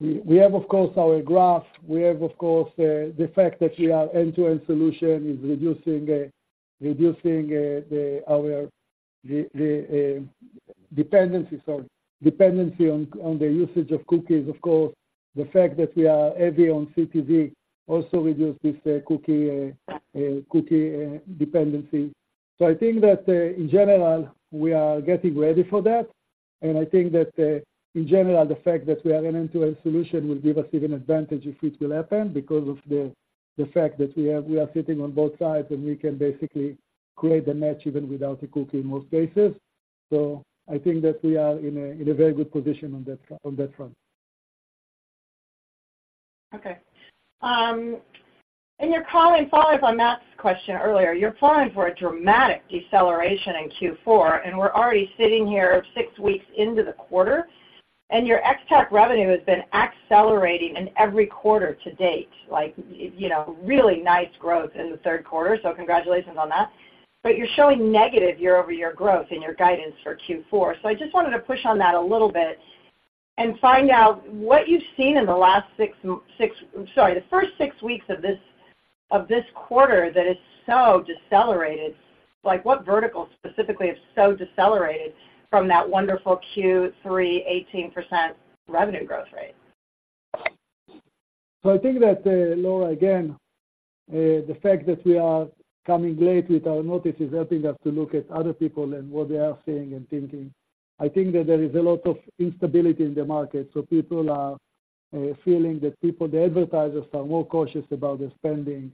we have, of course, our graph. We have, of course, the fact that we are end-to-end solution is reducing our dependency, sorry, dependency on the usage of cookies. Of course, the fact that we are heavy on CTV also reduce this cookie dependency. So I think that in general, we are getting ready for that, and I think that in general, the fact that we are an end-to-end solution will give us even advantage if it will happen because of the fact that we have we are sitting on both sides, and we can basically create a match even without a cookie in most cases. So I think that we are in a very good position on that front. Okay. A follow-up on Matt's question earlier. You're planning for a dramatic deceleration in Q4, and we're already sitting here six weeks into the quarter, and your ex-TAC revenue has been accelerating in every quarter-to-date. Like, you know, really nice growth in the third quarter, so congratulations on that. But you're showing negative year-over-year growth in your guidance for Q4. So I just wanted to push on that a little bit and find out what you've seen in the first six weeks of this quarter that is so decelerated, like, what verticals specifically have so decelerated from that wonderful Q3, 18% revenue growth rate? So I think that, Laura, again, the fact that we are coming late with our notice is helping us to look at other people and what they are seeing and thinking. I think that there is a lot of instability in the market, so people are feeling that people, the advertisers, are more cautious about their spending.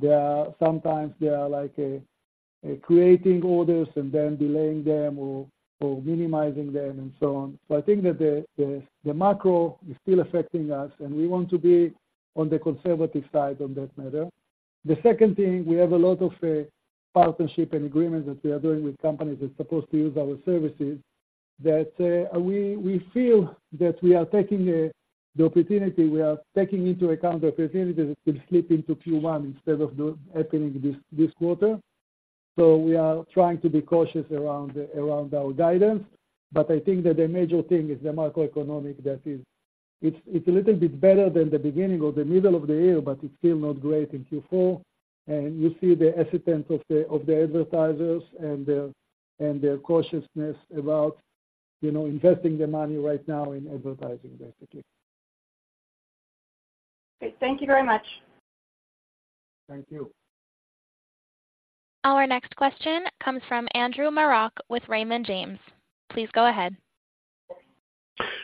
There are sometimes, like, creating orders and then delaying them or minimizing them and so on. So I think that the macro is still affecting us, and we want to be on the conservative side on that matter. The second thing, we have a lot of partnership and agreement that we are doing with companies that supposed to use our services, that, we, we feel that we are taking the opportunity, we are taking into account the opportunity that will slip into Q1 instead of happening this quarter. So we are trying to be cautious around our guidance, but I think that the major thing is the macroeconomic that is. It's a little bit better than the beginning or the middle of the year, but it's still not great in Q4, and you see the hesitance of the advertisers and their cautiousness about, you know, investing their money right now in advertising, basically. Great. Thank you very much. Thank you. Our next question comes from Andrew Marok with Raymond James. Please go ahead.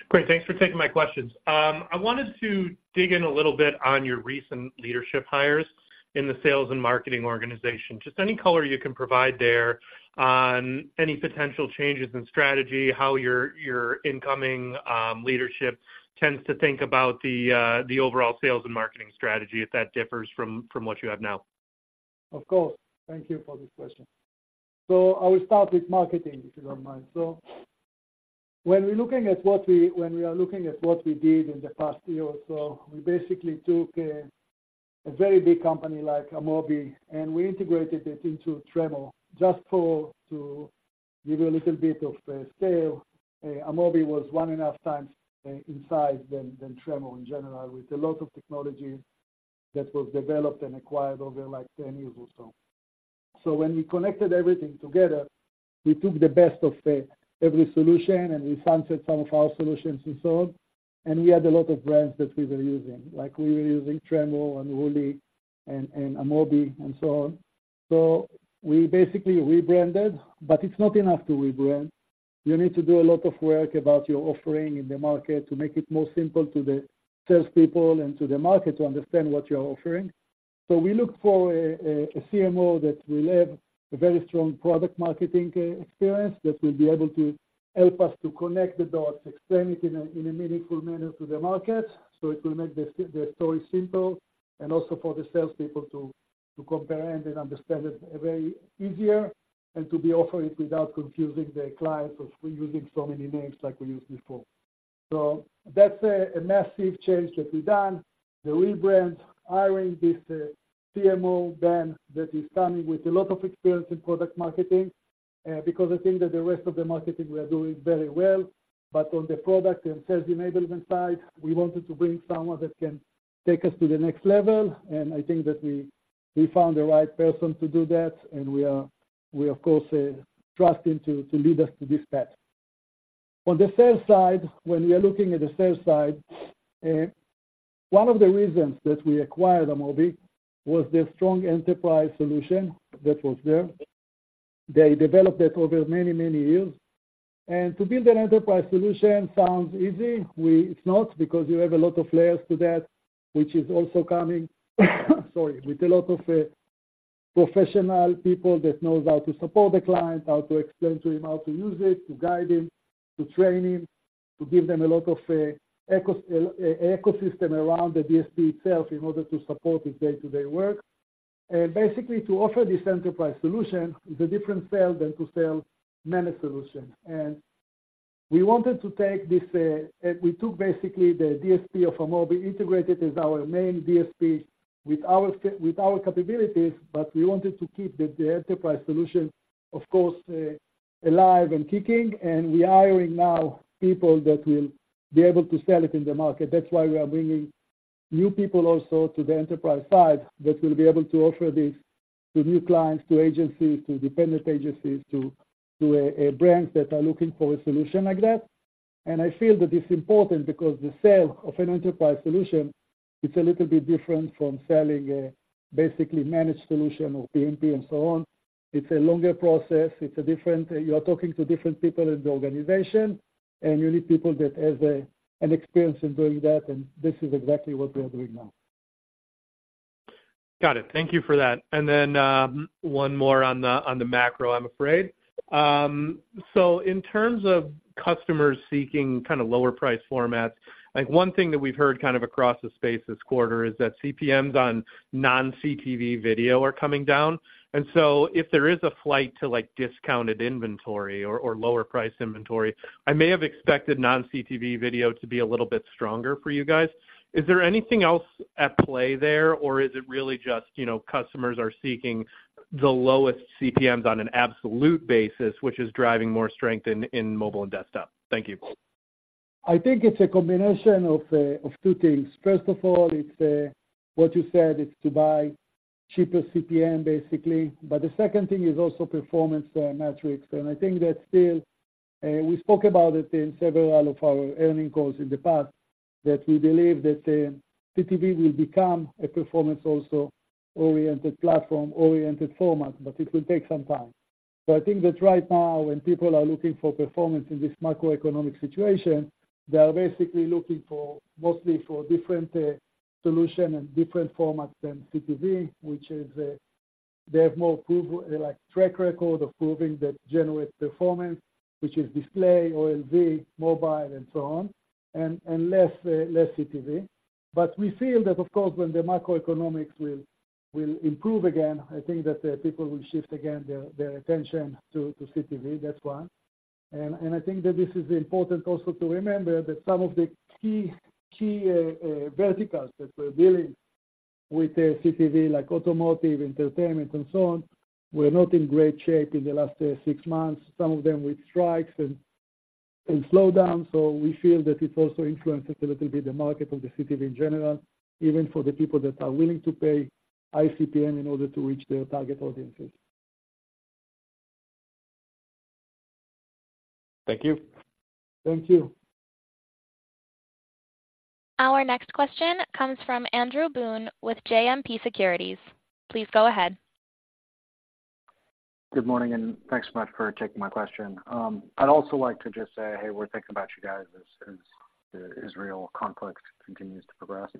Great, thanks for taking my questions. I wanted to dig in a little bit on your recent leadership hires in the sales and marketing organization. Just any color you can provide there on any potential changes in strategy, how your incoming leadership tends to think about the overall sales and marketing strategy, if that differs from what you have now. Of course. Thank you for this question. So I will start with marketing, if you don't mind. So when we are looking at what we did in the past year or so, we basically took a very big company like Amobee, and we integrated it into Tremor, just to give you a little bit of scale. Amobee was 1.5x in size than Tremor in general, with a lot of technology that was developed and acquired over, like, 10 years or so. So when we connected everything together, we took the best of every solution, and we sunset some of our solutions and so on, and we had a lot of brands that we were using. Like we were using Tremor and Unruly and Amobee and so on. So we basically rebranded, but it's not enough to rebrand. You need to do a lot of work about your offering in the market to make it more simple to the salespeople and to the market to understand what you're offering. So we look for a CMO that will have a very strong product marketing experience, that will be able to help us to connect the dots, explain it in a meaningful manner to the market. So it will make the story simple, and also for the salespeople to comprehend and understand it very easier, and to be offering it without confusing the clients of we're using so many names like we used before. So that's a massive change that we've done. The rebrand, hiring this CMO, Ben, that is coming with a lot of experience in product marketing, because I think that the rest of the marketing we are doing very well. But on the product and sales enablement side, we wanted to bring someone that can take us to the next level, and I think that we found the right person to do that, and we of course trust him to lead us to this path. On the sales side, when we are looking at the sales side, one of the reasons that we acquired Amobee was their strong enterprise solution that was there. They developed it over many, many years. To build an enterprise solution sounds easy, it's not, because you have a lot of layers to that, which is also coming with a lot of professional people that knows how to support the client, how to explain to him, how to use it, to guide him, to train him, to give them a lot of ecosystem around the DSP itself in order to support his day-to-day work. And basically, to offer this enterprise solution is a different sale than to sell managed solutions. And we wanted to take this, we took basically the DSP of Amobee, integrated as our main DSP with our capabilities, but we wanted to keep the enterprise solution, of course, alive and kicking. And we are hiring now people that will be able to sell it in the market. That's why we are bringing new people also to the enterprise side, that will be able to offer this to new clients, to agencies, to dependent agencies, to brands that are looking for a solution like that. And I feel that it's important because the sale of an enterprise solution, it's a little bit different from selling a basically managed solution or PMP and so on. It's a longer process. It's a different... You are talking to different people in the organization, and you need people that has an experience in doing that, and this is exactly what we are doing now. Got it. Thank you for that. And then, one more on the, on the macro, I'm afraid. So in terms of customers seeking kind of lower price formats, like one thing that we've heard kind of across the space this quarter is that CPMs on non-CTV video are coming down. And so if there is a flight to, like, discounted inventory or, or lower priced inventory, I may have expected non-CTV video to be a little bit stronger for you guys. Is there anything else at play there, or is it really just, you know, customers are seeking the lowest CPMs on an absolute basis, which is driving more strength in, in mobile and desktop? Thank you. I think it's a combination of two things. First of all, it's what you said, it's to buy cheaper CPM, basically. But the second thing is also performance metrics. And I think that still, we spoke about it in several of our earnings calls in the past, that we believe that CTV will become a performance also, oriented platform, oriented format, but it will take some time. So I think that right now, when people are looking for performance in this macroeconomic situation, they are basically looking for, mostly for different solution and different formats than CTV, which is they have more proof, like, track record of proving that generate performance, which is display, OLV, mobile, and so on, and less CTV. But we feel that of course, when the macroeconomics will improve again, I think that the people will shift again their attention to CTV. That's one. And I think that this is important also to remember that some of the key verticals that we're dealing with CTV, like automotive, entertainment, and so on, were not in great shape in the last six months. Some of them with strikes and slowdown. So we feel that it also influences a little bit the market of the CTV in general, even for the people that are willing to pay high CPM in order to reach their target audiences. Thank you. Thank you. Our next question comes from Andrew Boone with JMP Securities. Please go ahead. Good morning, and thanks so much for taking my question. I'd also like to just say, hey, we're thinking about you guys as, as the Israel conflict continues to progress.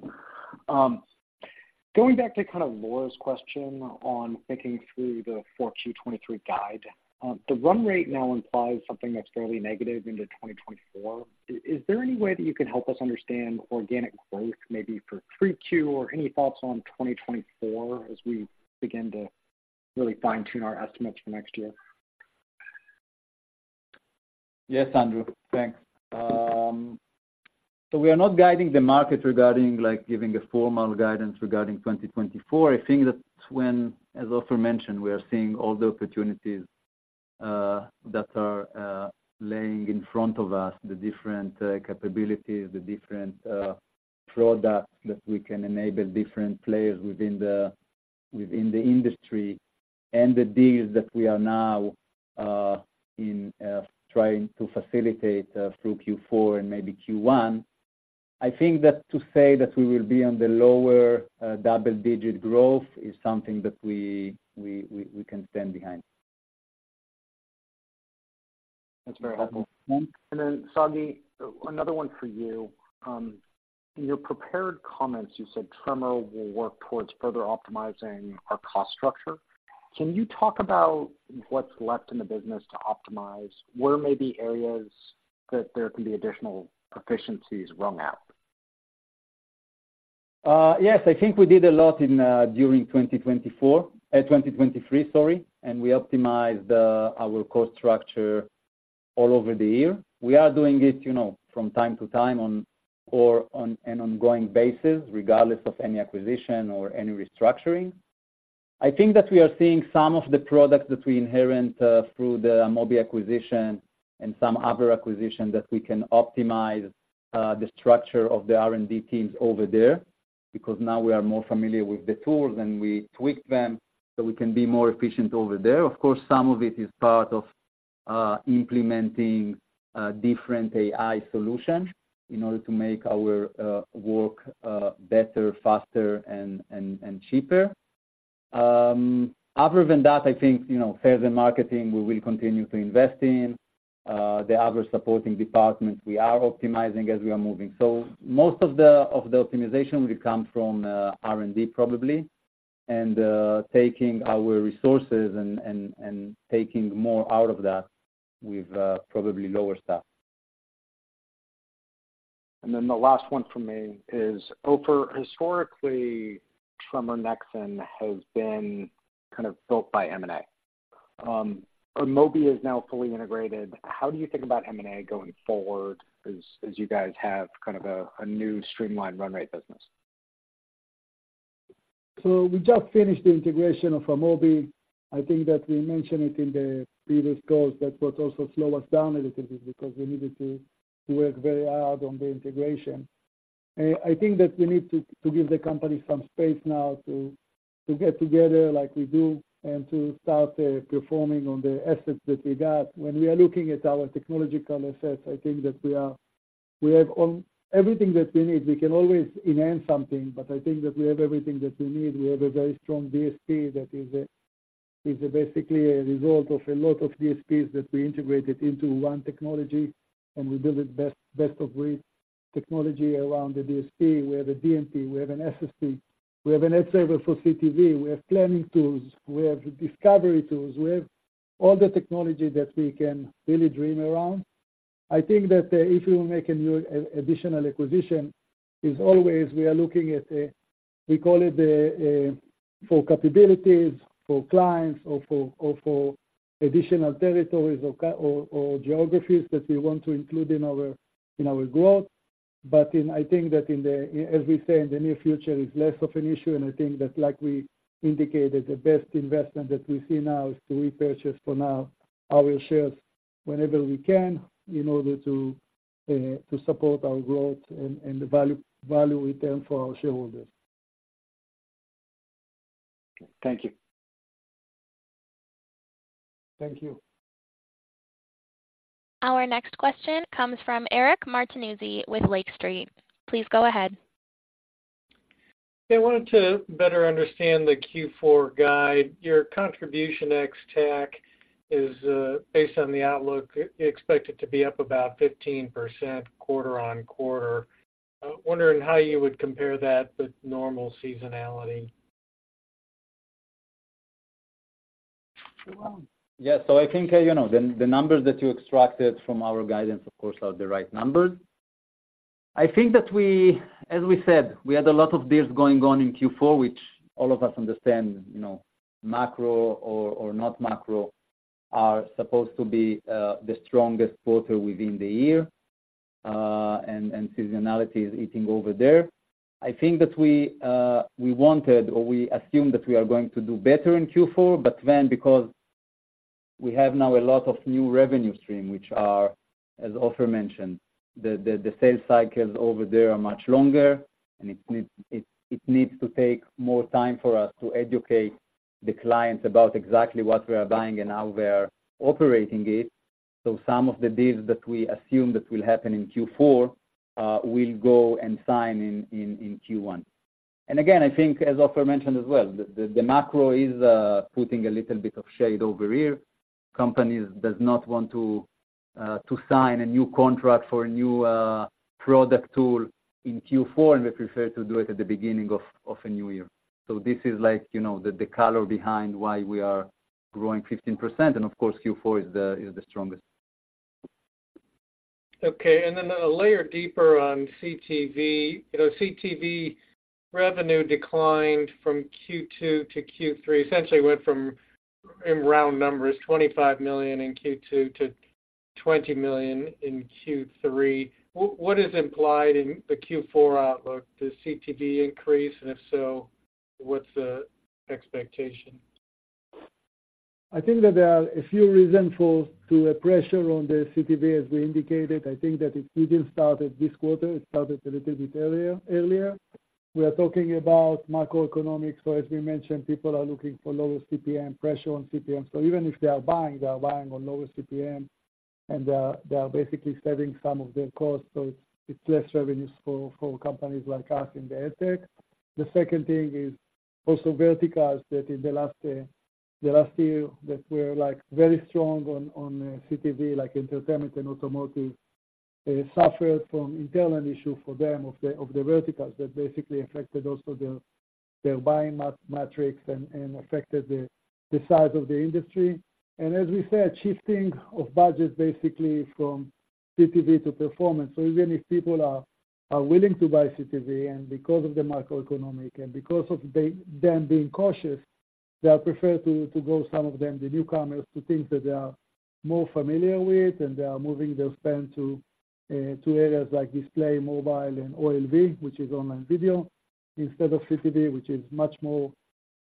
Going back to kind of Laura's question on thinking through the Q4 2023 guide, the run rate now implies something that's fairly negative into 2024. Is there any way that you can help us understand organic growth, maybe for 3Q or any thoughts on 2024 as we begin to really fine-tune our estimates for next year? Yes, Andrew, thanks. So we are not guiding the market regarding like, giving a formal guidance regarding 2024. I think that when, as Ofer mentioned, we are seeing all the opportunities that are laying in front of us, the different capabilities, the different products, that we can enable different players within the, within the industry, and the deals that we are now in trying to facilitate through Q4 and maybe Q1. I think that to say that we will be on the lower double-digit growth is something that we can stand behind. That's very helpful. And then, Sagi, another one for you. In your prepared comments, you said Tremor will work towards further optimizing our cost structure. Can you talk about what's left in the business to optimize? Where may be areas that there can be additional efficiencies wrung out? Yes, I think we did a lot in during 2024, 2023, sorry, and we optimized our cost structure all over the year. We are doing it, you know, from time to time on or on an ongoing basis, regardless of any acquisition or any restructuring. I think that we are seeing some of the products that we inherit through the Amobee acquisition and some other acquisitions, that we can optimize the structure of the R&D teams over there, because now we are more familiar with the tools, and we tweak them, so we can be more efficient over there. Of course, some of it is part of implementing different AI solutions in order to make our work better, faster, and cheaper. Other than that, I think, you know, sales and marketing, we will continue to invest in. The other supporting departments, we are optimizing as we are moving. So most of the optimization will come from R&D, probably, and taking our resources and taking more out of that with probably lower staff. Then the last one from me is: Ofer, historically, Tremor Nexxen has been kind of built by M&A. Amobee is now fully integrated. How do you think about M&A going forward as you guys have kind of a new streamlined run rate business? So we just finished the integration of Amobee. I think that we mentioned it in the previous calls, that what also slow us down a little bit because we needed to work very hard on the integration. I think that we need to give the company some space now to get together like we do and to start performing on the assets that we got. When we are looking at our technological assets, I think that we have everything that we need. We can always enhance something, but I think that we have everything that we need. We have a very strong DSP that is basically a result of a lot of DSPs that we integrated into one technology, and we build it best-of-breed technology around the DSP. We have a DMP, we have an SSP, we have an ad server for CTV, we have planning tools, we have discovery tools, we have all the technology that we can really dream around. I think that, if we will make a new, additional acquisition, is always we are looking at a, we call it a, for capabilities, for clients, or for, or for additional territories or co- or, or geographies that we want to include in our, in our growth. But in- I think that in the, as we say, in the near future, is less of an issue, and I think that like we indicated, the best investment that we see now is to repurchase for now, our shares whenever we can, in order to, to support our growth and, and the value, value return for our shareholders. Thank you. Thank you. Our next question comes from Eric Martinuzzi with Lake Street. Please go ahead. I wanted to better understand the Q4 guide. Your Contribution ex-TAC is, based on the outlook, you expect it to be up about 15% quarter-on-quarter. I'm wondering how you would compare that with normal seasonality? Yeah. So I think, you know, the numbers that you extracted from our guidance, of course, are the right numbers. I think that we—as we said, we had a lot of deals going on in Q4, which all of us understand, you know, macro or not macro, are supposed to be the strongest quarter within the year, and seasonality is eating over there. I think that we wanted, or we assumed that we are going to do better in Q4, but then because we have now a lot of new revenue stream, which are, as Ofer mentioned, the sales cycles over there are much longer, and it needs to take more time for us to educate the clients about exactly what we are buying and how we are operating it. So some of the deals that we assume that will happen in Q4 will go and sign in Q1. And again, I think, as Ofer mentioned as well, the macro is putting a little bit of shade over here. Companies does not want to sign a new contract for a new product tool in Q4, and they prefer to do it at the beginning of a new year. So this is like, you know, the color behind why we are growing 15%, and of course, Q4 is the strongest. Okay, and then a layer deeper on CTV. You know, CTV revenue declined from Q2-Q3. Essentially went from, in round numbers, $25 million in Q2 to $20 million in Q3. What, what is implied in the Q4 outlook? Does CTV increase, and if so, what's the expectation? I think that there are a few reasons for the pressure on the CTV. As we indicated, I think that it didn't start at this quarter, it started a little bit earlier. We are talking about macroeconomics. So as we mentioned, people are looking for lower CPM, pressure on CPM. So even if they are buying, they are buying on lower CPM, and they are basically saving some of their costs, so it's less revenues for companies like us in the ad Tech. The second thing is also verticals that in the last year were like very strong on CTV, like entertainment and automotive, suffered from internal issue for them of the verticals that basically affected also their buying metrics and affected the size of the industry. As we said, shifting of budgets basically from CTV to performance. Even if people are willing to buy CTV, and because of the macroeconomic and because of them being cautious, they are preferred to go, some of them, the newcomers, to things that they are more familiar with, and they are moving their spend to areas like display, mobile and OLV, which is online video, instead of CTV, which is much more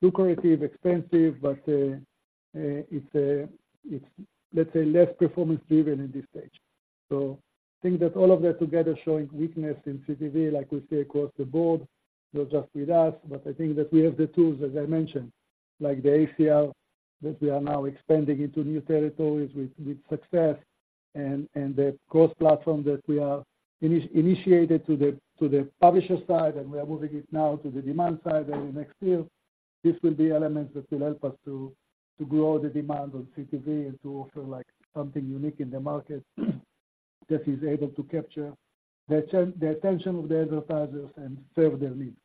lucrative, expensive, but it's, let's say, less performance-driven in this stage. So I think that all of that together showing weakness in CTV, like we see across the board, not just with us, but I think that we have the tools, as I mentioned, like the ACR, that we are now expanding into new territories with success, and the cross-platform that we are initiated to the publisher side, and we are moving it now to the demand side in the next year. This will be elements that will help us to grow the demand on CTV and to offer, like, something unique in the market that is able to capture the attention of the advertisers and serve their needs.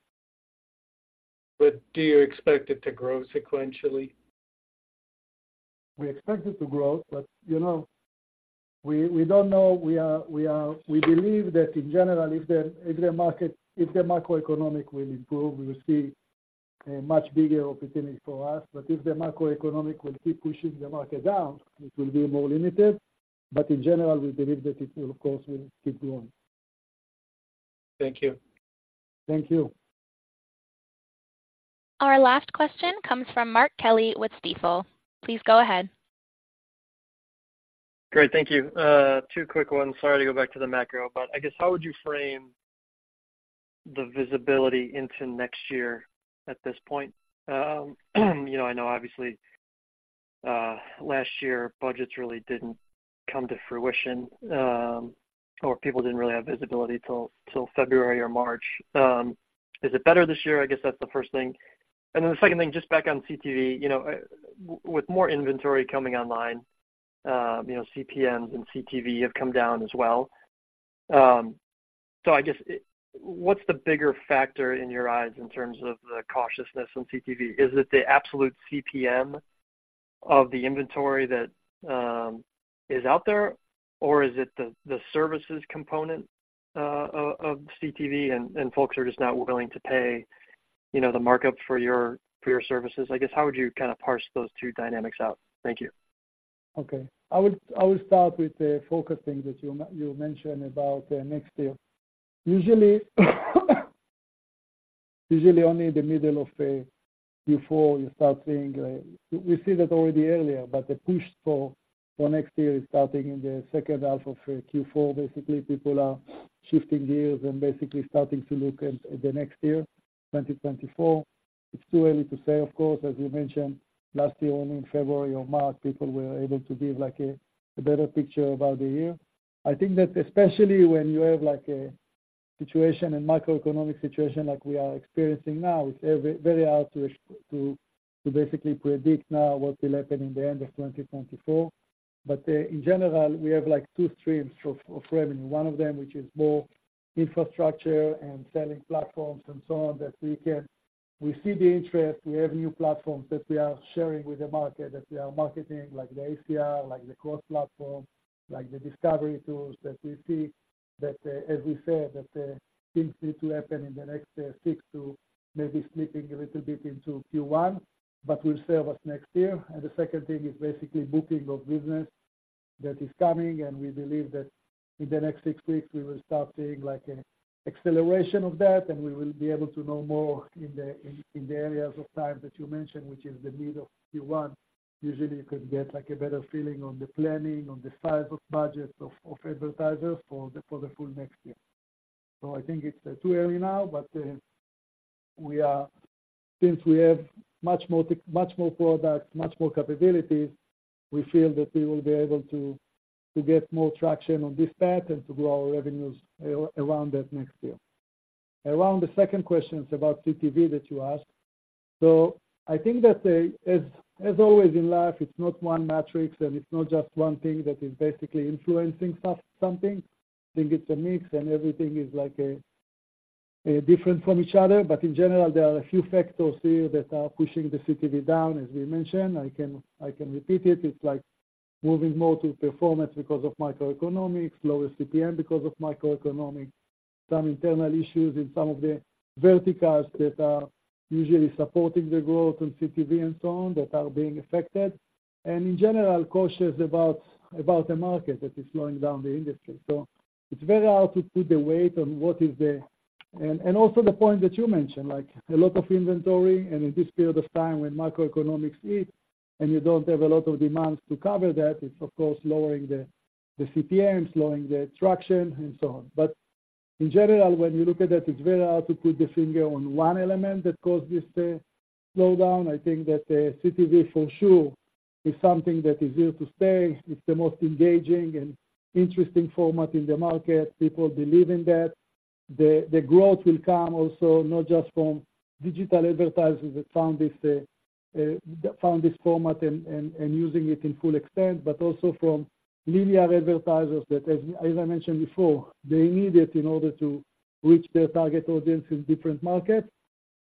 But do you expect it to grow sequentially? We expect it to grow, but, you know, we don't know. We believe that in general, if the market, if the macroeconomic will improve, we will see a much bigger opportunity for us. But if the macroeconomic will keep pushing the market down, it will be more limited. But in general, we believe that it, of course, will keep growing. Thank you. Thank you. Our last question comes from Mark Kelley with Stifel. Please go ahead. Great, thank you. Two quick ones. Sorry to go back to the macro, but I guess, how would you frame the visibility into next year at this point? You know, I know obviously, last year, budgets really didn't come to fruition, or people didn't really have visibility till February or March. Is it better this year? I guess that's the first thing. And then the second thing, just back on CTV, you know, with more inventory coming online, you know, CPMs and CTV have come down as well. So I guess, what's the bigger factor in your eyes in terms of the cautiousness on CTV? Is it the absolute CPM of the inventory that is out there? Or is it the services component of CTV and folks are just not willing to pay, you know, the markup for your services? I guess, how would you kinda parse those two dynamics out? Thank you. Okay. I would start with the focusing that you mentioned about next year. Usually only in the middle of Q4, you start seeing, we see that already earlier, but the push for next year is starting in the second half of Q4. Basically, people are shifting gears and basically starting to look at the next year, 2024. It's too early to say, of course. As you mentioned, last year, only in February or March, people were able to give, like, a better picture about the year. I think that especially when you have, like, a situation, a macroeconomic situation like we are experiencing now, it's very hard to basically predict now what will happen in the end of 2024. But in general, we have, like, two streams of revenue. One of them, which is more infrastructure and selling platforms and so on, that we can, we see the interest, we have new platforms that we are sharing with the market, that we are marketing, like the ACR, like the cross-platform, like the discovery tools that we see, that, as we said, that, things need to happen in the next, six to maybe slipping a little bit into Q1, but will serve us next year. And the second thing is basically booking of business that is coming, and we believe that in the next six weeks, we will start seeing, like, a acceleration of that, and we will be able to know more in the, in, in the areas of time that you mentioned, which is the middle of Q1. Usually, you could get, like, a better feeling on the planning, on the size of budgets, of advertisers for the full next year. So I think it's too early now, but we are—Since we have much more products, much more capabilities, we feel that we will be able to get more traction on this path and to grow our revenues around that next year. Around the second question, it's about CTV that you asked. So I think that, as always in life, it's not one matrix, and it's not just one thing that is basically influencing something. I think it's a mix, and everything is, like, different from each other. But in general, there are a few factors here that are pushing the CTV down, as we mentioned. I can repeat it. It's like moving more to performance because of macroeconomics, lower CPM because of macroeconomic, some internal issues in some of the verticals that are usually supporting the growth on CTV and so on, that are being affected, and in general, cautious about the market that is slowing down the industry. So it's very hard to put the weight on what is the-- And also the point that you mentioned, like, a lot of inventory, and in this period of time when macroeconomics hit, and you don't have a lot of demands to cover that, it's of course lowering the CPM, slowing the attraction and so on. But in general, when you look at it, it's very hard to put the finger on one element that caused this slowdown. I think that the CTV, for sure, is something that is here to stay. It's the most engaging and interesting format in the market. People believe in that. The growth will come also not just from digital advertisers that found this format and using it in full extent, but also from linear advertisers, that, as I mentioned before, they need it in order to reach their target audience in different markets,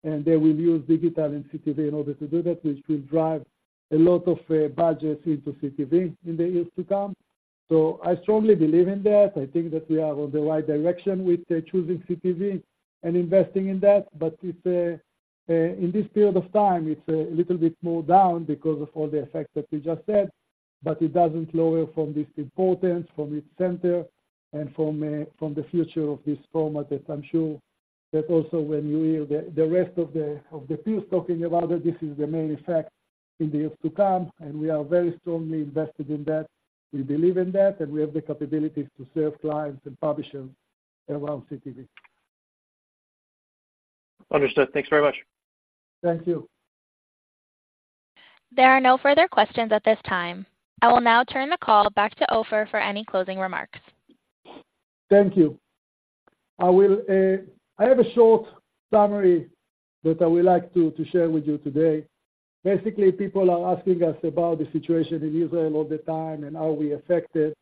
and they will use digital and CTV in order to do that, which will drive a lot of budgets into CTV in the years to come. So I strongly believe in that. I think that we are on the right direction with choosing CTV and investing in that. But it's in this period of time, it's a little bit more down because of all the effects that we just said, but it doesn't lower from this importance, from its center and from the future of this format, that I'm sure that also when you hear the rest of the peers talking about it, this is the main effect in the years to come, and we are very strongly invested in that. We believe in that, and we have the capabilities to serve clients and publishers around CTV. Understood. Thanks very much. Thank you. There are no further questions at this time. I will now turn the call back to Ofer for any closing remarks. Thank you. I will, I have a short summary that I would like to share with you today. Basically, people are asking us about the situation in Israel all the time and are we affected.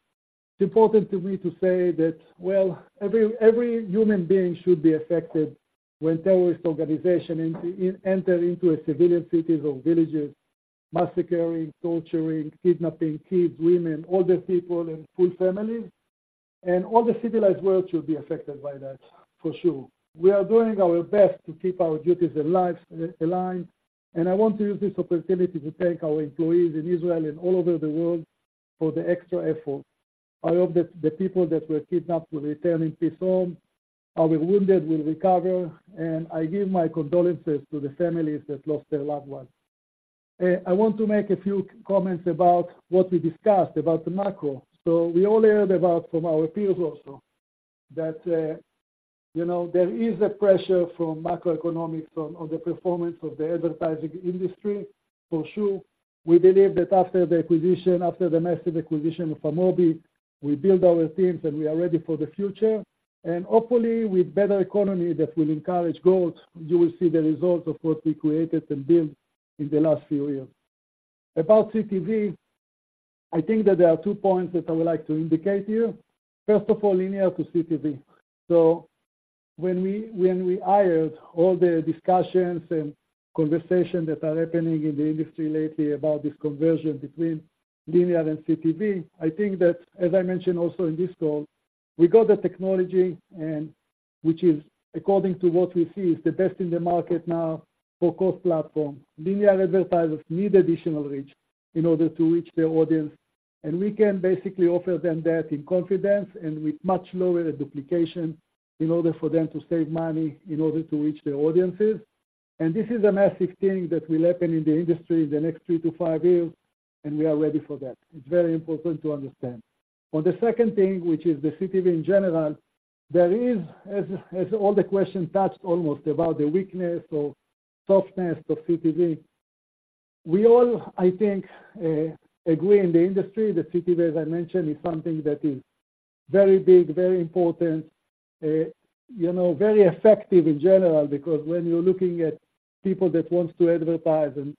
It's important to me to say that, well, every human being should be affected when terrorist organization enter into civilian cities or villages, massacring, torturing, kidnapping kids, women, older people, and full families, and all the civilized world should be affected by that, for sure. We are doing our best to keep our duties alive, aligned, and I want to use this opportunity to thank our employees in Israel and all over the world for the extra effort. I hope that the people that were kidnapped will return in peace home, our wounded will recover, and I give my condolences to the families that lost their loved ones. I want to make a few comments about what we discussed about the macro. So we all learned about from our peers also that, you know, there is a pressure from macroeconomics on the performance of the advertising industry, for sure. We believe that after the acquisition, after the massive acquisition of Amobee, we build our teams, and we are ready for the future, and hopefully, with better economy that will encourage growth, you will see the results of what we created and built in the last few years. About CTV, I think that there are two points that I would like to indicate here. First of all, linear to CTV. So when we heard all the discussions and conversations that are happening in the industry lately about this conversion between linear and CTV, I think that, as I mentioned also in this call, we got the technology and which is according to what we see, is the best in the market now for cross-platform. Linear advertisers need additional reach in order to reach their audience, and we can basically offer them that with confidence and with much lower duplication in order for them to save money, in order to reach their audiences. And this is a massive thing that will happen in the industry in the next 3-5 years, and we are ready for that. It's very important to understand. On the second thing, which is the CTV in general, there is, as all the questions touched, almost about the weakness or softness of CTV. We all, I think, agree in the industry that CTV, as I mentioned, is something that is very big, very important, you know, very effective in general, because when you're looking at people that wants to advertise and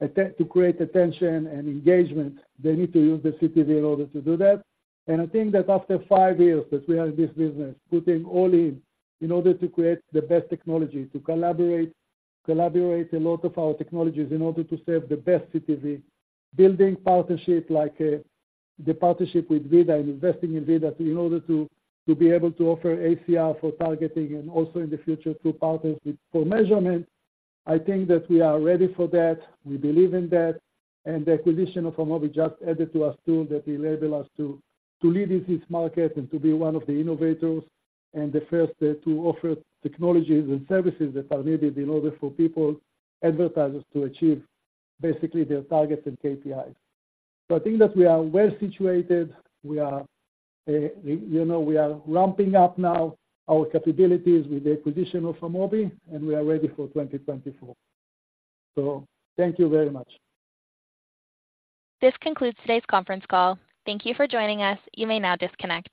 to create attention and engagement, they need to use the CTV in order to do that. I think that after five years that we are in this business, putting all in, in order to create the best technology, to collaborate a lot of our technologies in order to serve the best CTV, building partnership like the partnership with VIDAA and investing in VIDAA, in order to be able to offer ACR for targeting and also in the future, to partner with for measurement. I think that we are ready for that. We believe in that, and the acquisition of Amobee just added to us, too, that will enable us to lead in this market and to be one of the innovators and the first to offer technologies and services that are needed in order for people, advertisers, to achieve basically their targets and KPIs. I think that we are well situated. We are, you know, we are ramping up now our capabilities with the acquisition of Amobee, and we are ready for 2024. Thank you very much. This concludes today's conference call. Thank you for joining us. You may now disconnect.